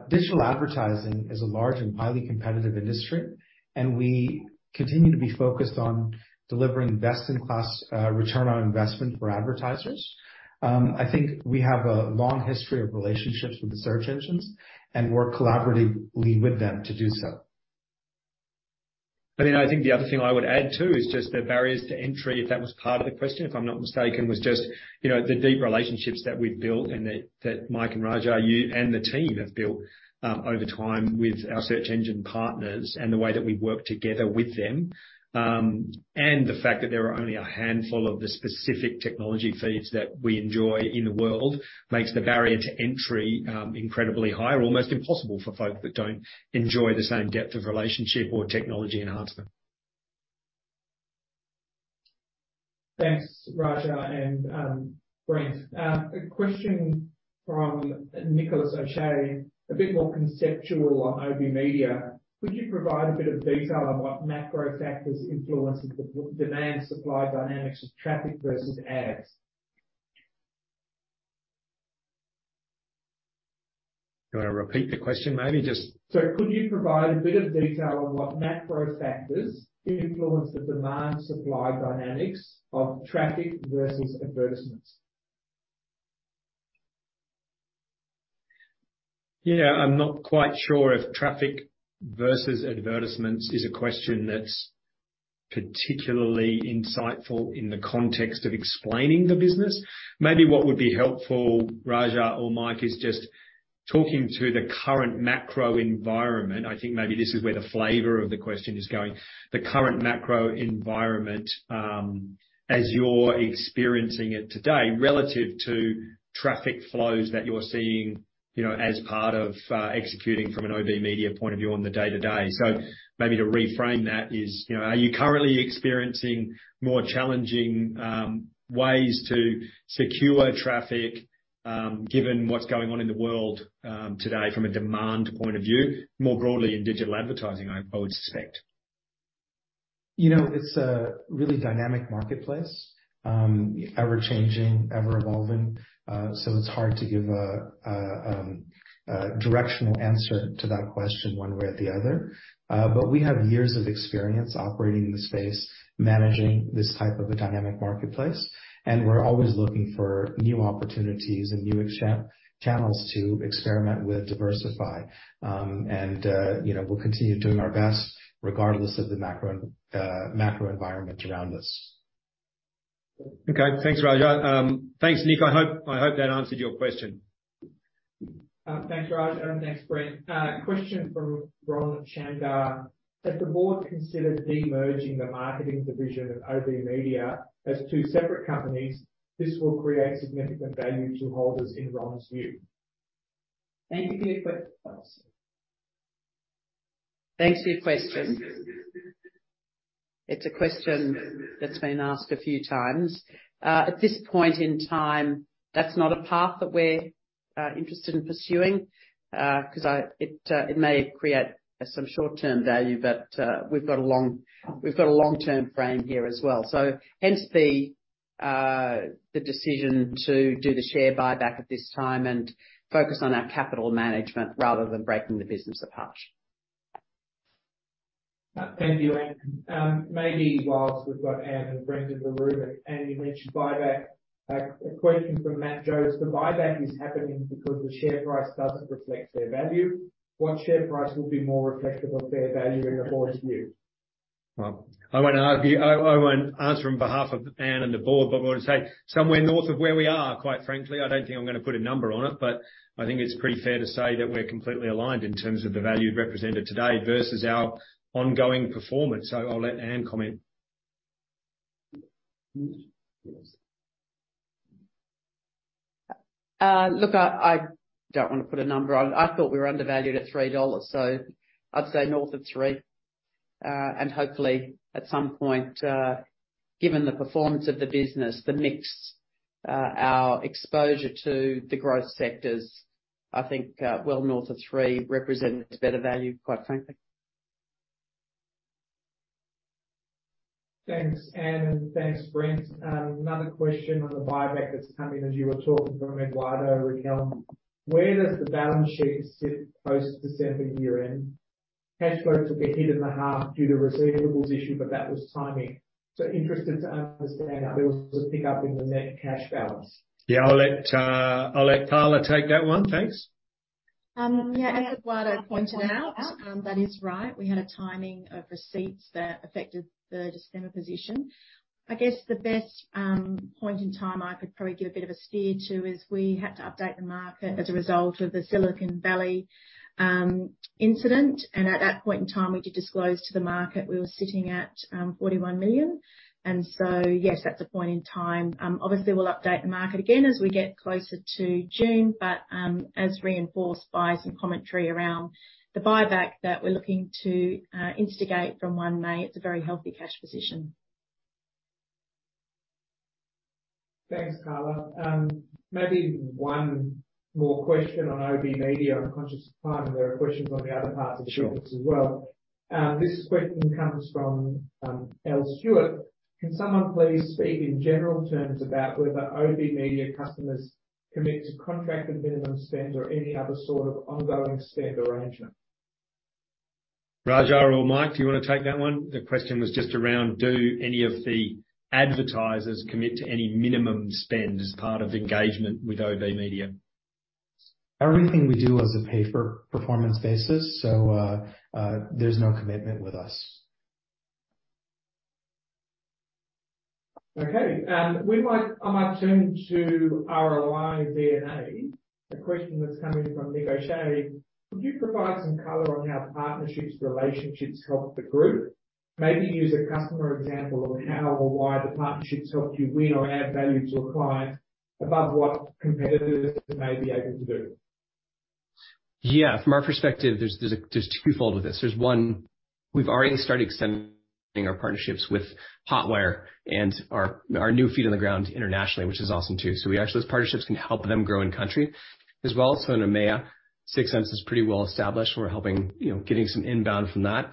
Digital advertising is a large and highly competitive industry, we continue to be focused on delivering best-in-class return on investment for advertisers. I think we have a long history of relationships with the search engines, work collaboratively with them to do so. I mean, I think the other thing I would add, too, is just the barriers to entry, if that was part of the question, if I'm not mistaken, was just, you know, the deep relationships that we've built and that Mike and Raja, you and the team have built, over time with our search engine partners and the way that we work together with them. The fact that there are only a handful of the specific technology feeds that we enjoy in the world makes the barrier to entry, incredibly high or almost impossible for folks that don't enjoy the same depth of relationship or technology enhancement. Thanks, Raja and Brent. A question from Nicholas O'Shea, a bit more conceptual on OBMedia. Could you provide a bit of detail on what macro factors influence the demand-supply dynamics of traffic versus ads? Do you wanna repeat the question maybe? Could you provide a bit of detail on what macro factors influence the demand-supply dynamics of traffic versus advertisements? Yeah, I'm not quite sure if traffic versus advertisements is a question that's particularly insightful in the context of explaining the business. Maybe what would be helpful, Raja or Mike, is just talking to the current macro environment. I think maybe this is where the flavor of the question is going. The current macro environment, as you're experiencing it today relative to traffic flows that you're seeing, you know, as part of executing from an OBMedia point of view on the day-to-day. Maybe to reframe that is, you know, are you currently experiencing more challenging ways to secure traffic, given what's going on in the world today from a demand point of view, more broadly in digital advertising, I would suspect? You know, it's a really dynamic marketplace, ever-changing, ever-evolving. It's hard to give a directional answer to that question one way or the other. We have years of experience operating in the space, managing this type of a dynamic marketplace, and we're always looking for new opportunities and new channels to experiment with diversify. You know, we'll continue doing our best regardless of the macro environment around us. Okay. Thanks, Raja. Thanks, Nick. I hope that answered your question. Thanks, Raj, and thanks, Brent. Question from Ron Shamgar. Has the board considered demerging the marketing division of OBMedia as two separate companies? This will create significant value to holders in Ron's view. Thank you for your question. Thanks for your question. It's a question that's been asked a few times. At this point in time, that's not a path that we're interested in pursuing, 'cause it may create some short-term value, but we've got a long-term frame here as well. Hence the decision to do the share buyback at this time and focus on our capital management rather than breaking the business apart. Thank you, Ann. Maybe whilst we've got Ann and Brent in the room, Ann, you mentioned buyback. A question from Matt Jones. The buyback is happening because the share price doesn't reflect fair value. What share price will be more reflective of fair value in the board's view? Well, I won't argue. I won't answer on behalf of Ann and the board, but I want to say somewhere north of where we are, quite frankly. I don't think I'm going to put a number on it, but I think it's pretty fair to say that we're completely aligned in terms of the value represented today versus our ongoing performance. I'll let Ann comment. Look, I don't want to put a number on. I thought we were undervalued at 3 dollars, so I'd say north of three. Hopefully at some point, given the performance of the business, the mix, our exposure to the growth sectors, I think, well north of three represents better value, quite frankly. Thanks, Ann. Thanks, Brent. Another question on the buyback that's come in as you were talking from Eduardo Riquelme. Where does the balance sheet sit post-December year-end? Cash flow took a hit in the half due to receivables issue, but that was timing. Interested to understand how there was a pick-up in the net cash balance. Yeah, I'll let Carla take that one. Thanks. Yeah, as Eduardo pointed out, that is right. We had a timing of receipts that affected the December position. I guess the best point in time I could probably give a bit of a steer to is we had to update the market as a result of the Silicon Valley incident, and at that point in time, we did disclose to the market we were sitting at 41 million. Yes, that's a point in time. Obviously we'll update the market again as we get closer to June, but as reinforced by some commentary around the buyback that we're looking to instigate from May 1st, it's a very healthy cash position. Thanks, Carla. Maybe one more question on OBMedia. I'm conscious of time, and there are questions on the other parts of the business as well. This question comes from Al Stewart. Can someone please speak in general terms about whether OBMedia customers commit to contracted minimum spend or any other sort of ongoing spend arrangement? Raja or Mike, do you want to take that one? The question was just around, do any of the advertisers commit to any minimum spend as part of engagement with OBMedia? Everything we do is a pay for performance basis, so, there's no commitment with us. Okay. I might turn to ROI·DNA. A question that's come in from Nick O'Shea. Could you provide some color on how partnerships, relationships help the group? Maybe use a customer example of how or why the partnerships helped you win or add value to a client above what competitors may be able to do. Yeah. From our perspective, there's a twofold with this. There's one, we've already started extending our partnerships with Hotwire and our new feet on the ground internationally, which is awesome too. We actually, those partnerships can help them grow in country as well. In EMEA, 6sense is pretty well established. We're helping, you know, getting some inbound from that.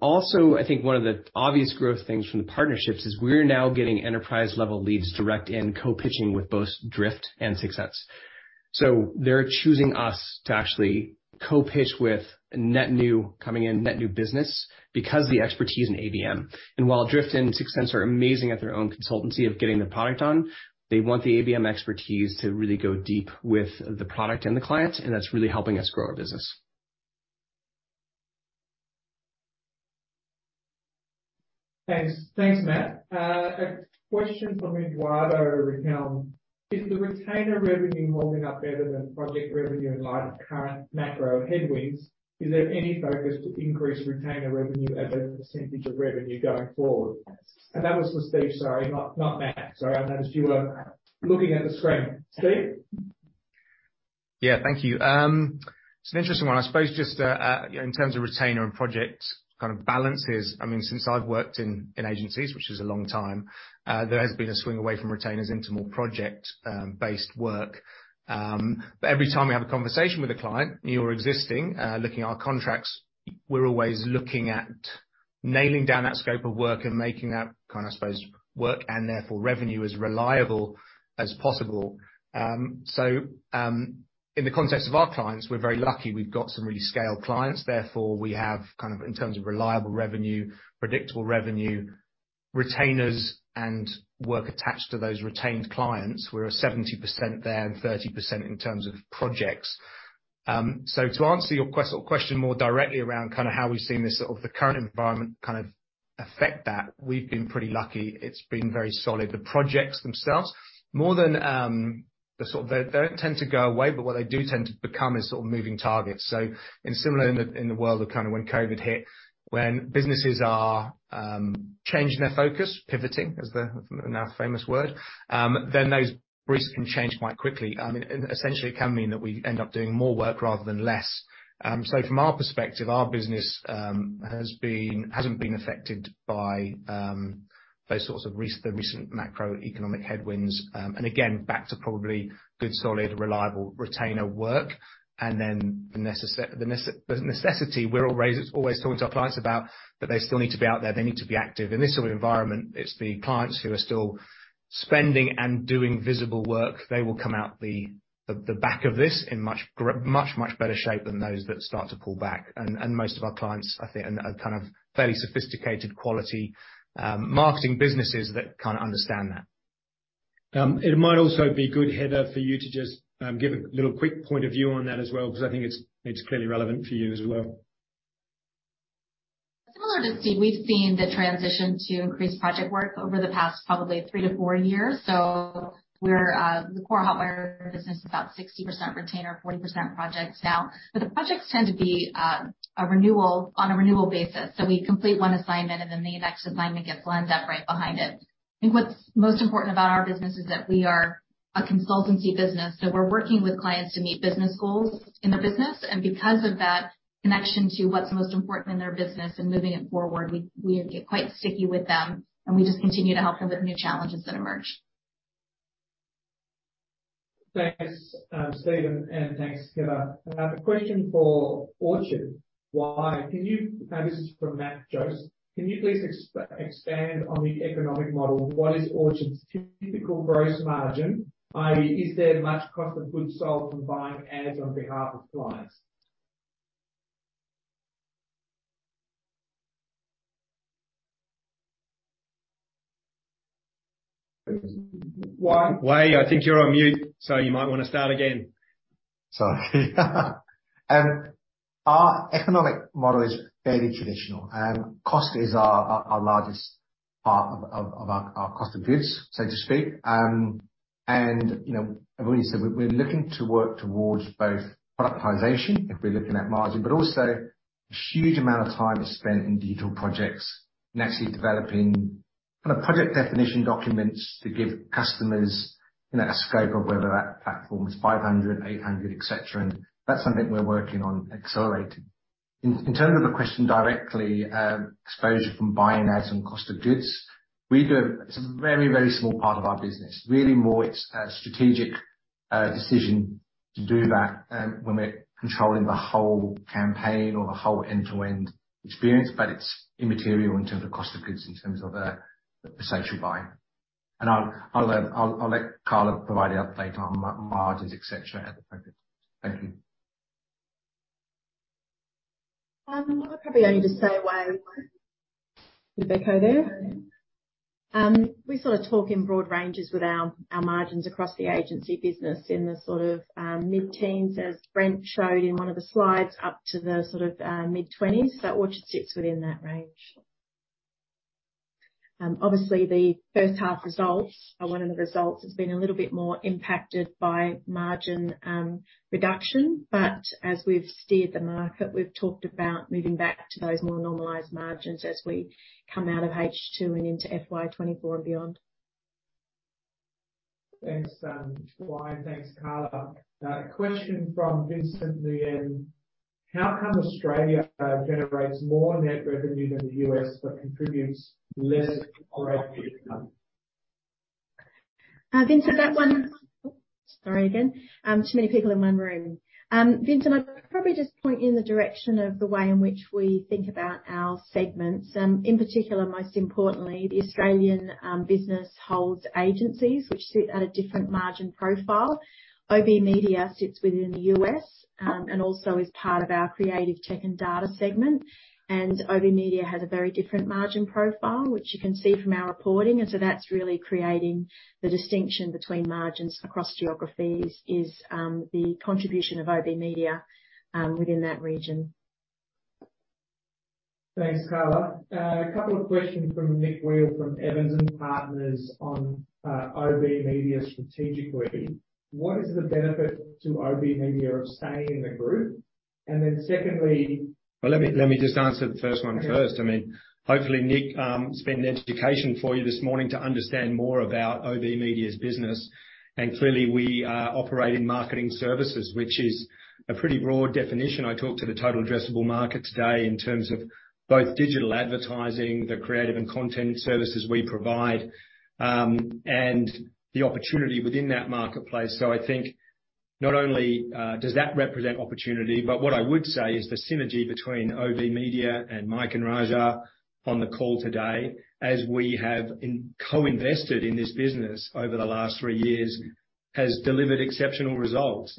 Also, I think one of the obvious growth things from the partnerships is we're now getting enterprise-level leads direct and co-pitching with both Drift and 6sense. They're choosing us to actually co-pitch with net new business because the expertise in ABM. While Drift and 6sense are amazing at their own consultancy of getting the product on, they want the ABM expertise to really go deep with the product and the clients, and that's really helping us grow our business. Thanks. Thanks, Matt. A question from Eduardo Riquelme. Is the retainer revenue holding up better than project revenue in light of current macro headwinds? Is there any focus to increase retainer revenue as a percentage of revenue going forward? That was for Steve, sorry, not Matt. Sorry, I noticed you were looking at the screen. Steve? Yeah, thank you. It's an interesting one. I suppose just in terms of retainer and project kind of balances, I mean, since I've worked in agencies, which is a long time, there has been a swing away from retainers into more project based work. Every time we have a conversation with a client, new or existing, looking at our contracts, we're always looking at nailing down that scope of work and making that kinda, I suppose, work and therefore revenue as reliable as possible. In the context of our clients, we're very lucky we've got some really scaled clients, therefore, we have kind of in terms of reliable revenue, predictable revenue, retainers, and work attached to those retained clients. We're at 70% there and 30% in terms of projects. To answer your question more directly around kinda how we've seen this sort of the current environment kind of affect that. We've been pretty lucky. It's been very solid. The projects themselves, more than the sort of... They don't tend to go away, but what they do tend to become is sort of moving targets. Similar in the, in the world of kind of when COVID hit, when businesses are changing their focus, pivoting is the now famous word, then those briefs can change quite quickly. Essentially, it can mean that we end up doing more work rather than less. From our perspective, our business hasn't been affected by those sorts of the recent macroeconomic headwinds. Again, back to probably good, solid, reliable retainer work and then the necessity we're always talking to our clients about that they still need to be out there, they need to be active. In this sort of environment, it's the clients who are still spending and doing visible work, they will come out the back of this in much, much better shape than those that start to pull back. Most of our clients, I think, are kind of fairly sophisticated quality, marketing businesses that kinda understand that. It might also be good, Heather, for you to just give a little quick point of view on that as well, because I think it's clearly relevant for you as well. Similar to Steve, we've seen the transition to increased project work over the past probably three to four years. The core Hotwire business is about 60% retainer, 40% projects now. The projects tend to be on a renewal basis, so we complete one assignment and then the next assignment gets lined up right behind it. I think what's most important about our business is that we are a consultancy business, so we're working with clients to meet business goals in their business. Because of that connection to what's most important in their business and moving it forward, we get quite sticky with them, and we just continue to help them with new challenges that emerge. Thanks, Steve, and thanks, Heather. A question for Orchard. Now, this is from Matt Jones. Can you please expand on the economic model? What is Orchard's typical gross margin? I.e., is there much cost of goods sold from buying ads on behalf of clients? Wei? I think you're on mute, so you might wanna start again. Sorry. Our economic model is fairly traditional. Cost is our largest part of our cost of goods, so to speak. You know, everybody said we're looking to work towards both productization if we're looking at margin, but also a huge amount of time is spent in digital projects and actually developing kind of project definition documents to give customers, you know, a scope of whether that platform is 500, 800, et cetera, and that's something we're working on accelerating. In terms of the question directly, exposure from buying ads and cost of goods, It's a very small part of our business. Really more it's a strategic decision to do that, when we're controlling the whole campaign or the whole end-to-end experience, but it's immaterial in terms of cost of goods, in terms of the social buying. I'll let Carla provide an update on margins, et cetera, at the appropriate time. Thank you. I'd probably only just say, Wei... Is there echo there? We sort of talk in broad ranges with our margins across the agency business in the sort of, mid-teens, as Brent showed in one of the slides, up to the sort of, mid-20s, so Orchard sits within that range. Obviously, the first half results or one of the results has been a little bit more impacted by margin, reduction. As we've steered the market, we've talked about moving back to those more normalized margins as we come out of H2 and into FY 2024 and beyond. Thanks, Wei, thanks, Carla. A question from Vincent Nguyen. How come Australia generates more net revenue than the U.S. but contributes less operating income? Vincent, that one. Oh, sorry again. Too many people in one room. Vincent, I'd probably just point you in the direction of the way in which we think about our segments. In particular, most importantly, the Australian business holds agencies which sit at a different margin profile. OBMedia sits within the U.S., and also is part of our creative tech and data segment. OBMedia has a very different margin profile, which you can see from our reporting. That's really creating the distinction between margins across geographies is the contribution of OBMedia within that region. Thanks, Carla. A couple of questions from Nick Weal from Evans & Partners on OBMedia strategically. What is the benefit to OBMedia of staying in the group? Well, let me, let me just answer the first one first. I mean, hopefully, Nick, it's been an education for you this morning to understand more about OBMedia's business. Clearly, we are operating marketing services, which is a pretty broad definition. I talked to the total addressable market today in terms of both digital advertising, the creative and content services we provide, and the opportunity within that marketplace. I think not only does that represent opportunity, but what I would say is the synergy between OBMedia and Mike and Raja on the call today, as we have co-invested in this business over the last three years, has delivered exceptional results.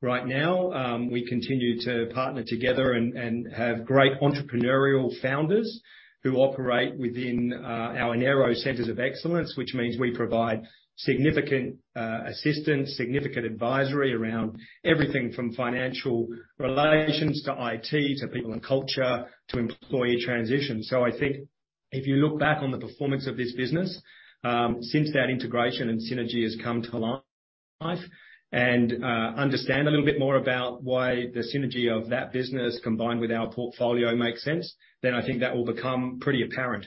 Right now, we continue to partner together and have great entrepreneurial founders who operate within our narrow centers of excellence, which means we provide significant assistance, significant advisory around everything from financial relations to IT, to people and culture to employee transition. I think if you look back on the performance of this business, since that integration and synergy has come to life and understand a little bit more about why the synergy of that business combined with our portfolio makes sense, I think that will become pretty apparent.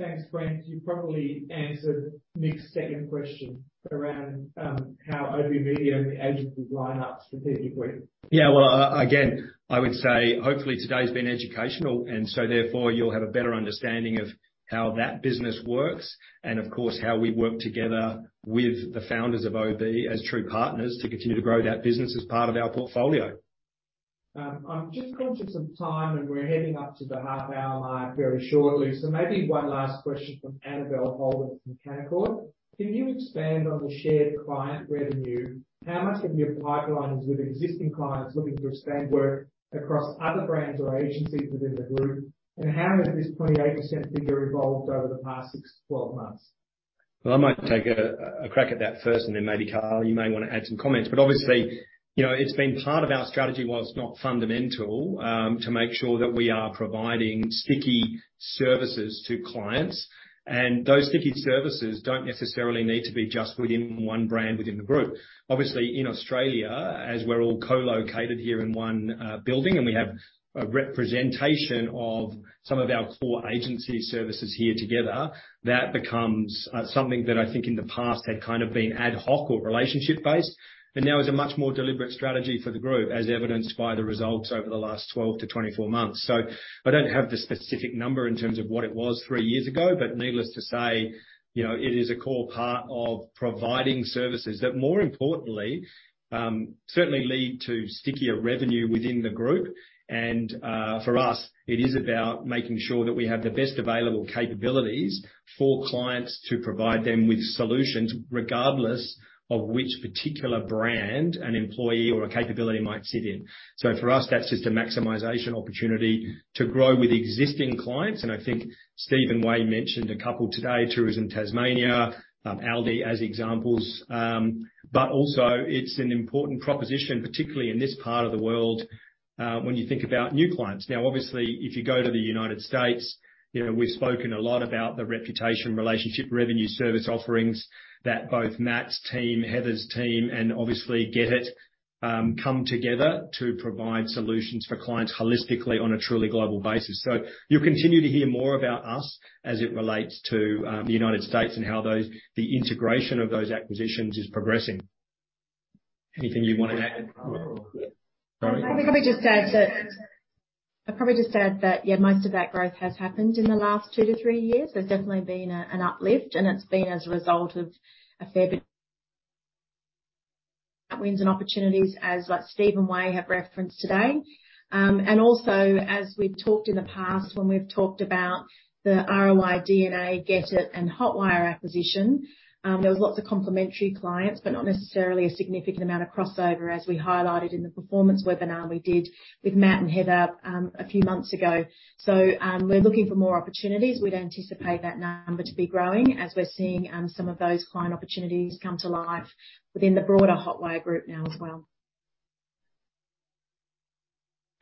Thanks, Brent. You probably answered Nick's second question around, how OBMedia and the agencies line up strategically. Yeah. Well, again, I would say hopefully today's been educational, and so therefore you'll have a better understanding of how that business works and of course, how we work together with the founders of OB as true partners to continue to grow that business as part of our portfolio. I'm just conscious of time, and we're heading up to the half-hour mark very shortly. Maybe one last question from Annabelle Holden from Canaccord. Can you expand on the shared client revenue? How much of your pipeline is with existing clients looking to expand work across other brands or agencies within the group? How has this 28% figure evolved over the past six to 12 months? I might take a crack at that first, and then maybe, Carla, you may wanna add some comments. Obviously, you know, it's been part of our strategy, whilst not fundamental, to make sure that we are providing sticky services to clients. Those sticky services don't necessarily need to be just within one brand within the group. Obviously, in Australia, as we're all co-located here in one building, and we have a representation of some of our core agency services here together, that becomes something that I think in the past had kind of been ad hoc or relationship-based, and now is a much more deliberate strategy for the group, as evidenced by the results over the last 12-24 months. I don't have the specific number in terms of what it was three years ago, but needless to say, you know, it is a core part of providing services that more importantly, certainly lead to stickier revenue within the group. For us, it is about making sure that we have the best available capabilities for clients to provide them with solutions regardless of which particular brand an employee or a capability might sit in. For us, that's just a maximization opportunity to grow with existing clients. I think Steve and Wei mentioned a couple today, Tourism Tasmania, ALDI as examples. Also it's an important proposition, particularly in this part of the world, when you think about new clients. Obviously, if you go to the United States, you know, we've spoken a lot about the reputation, relationship, revenue service offerings that both Matt's team, Heather's team, and obviously GetIT, come together to provide solutions for clients holistically on a truly global basis. You'll continue to hear more about us as it relates to the United States and how the integration of those acquisitions is progressing. Anything you wanna add, Carla? I'd probably just add that, yeah, most of that growth has happened in the last two to three years. There's definitely been an uplift, and it's been as a result of a fair bit wins and opportunities as like Steve and Wei have referenced today. Also as we've talked in the past when we've talked about the ROI·DNA, GetIT and Hotwire acquisition, there was lots of complementary clients, but not necessarily a significant amount of crossover, as we highlighted in the performance webinar we did with Matt and Heather, a few months ago. We're looking for more opportunities. We'd anticipate that number to be growing as we're seeing some of those client opportunities come to life within the broader Hotwire group now as well.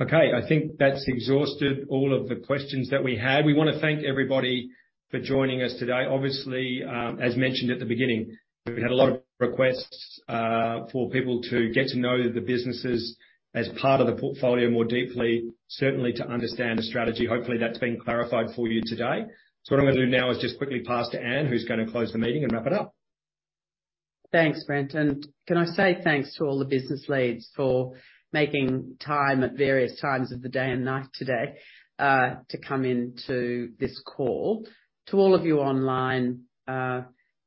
Okay. I think that's exhausted all of the questions that we had. We wanna thank everybody for joining us today. Obviously, as mentioned at the beginning, we've had a lot of requests for people to get to know the businesses as part of the portfolio more deeply, certainly to understand the strategy. Hopefully, that's been clarified for you today. What I'm gonna do now is just quickly pass to Ann, who's gonna close the meeting and wrap it up. Thanks, Brent. Can I say thanks to all the business leads for making time at various times of the day and night today, to come into this call. To all of you online,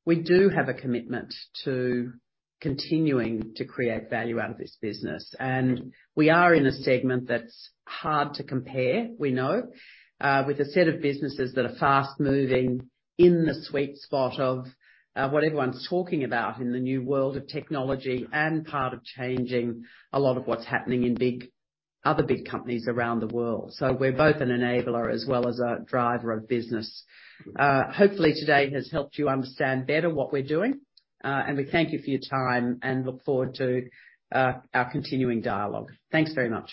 we do have a commitment to continuing to create value out of this business. We are in a segment that's hard to compare, we know, with a set of businesses that are fast-moving in the sweet spot of what everyone's talking about in the new world of technology and part of changing a lot of what's happening in other big companies around the world. We're both an enabler as well as a driver of business. Hopefully, today has helped you understand better what we're doing, and we thank you for your time and look forward to our continuing dialogue. Thanks very much.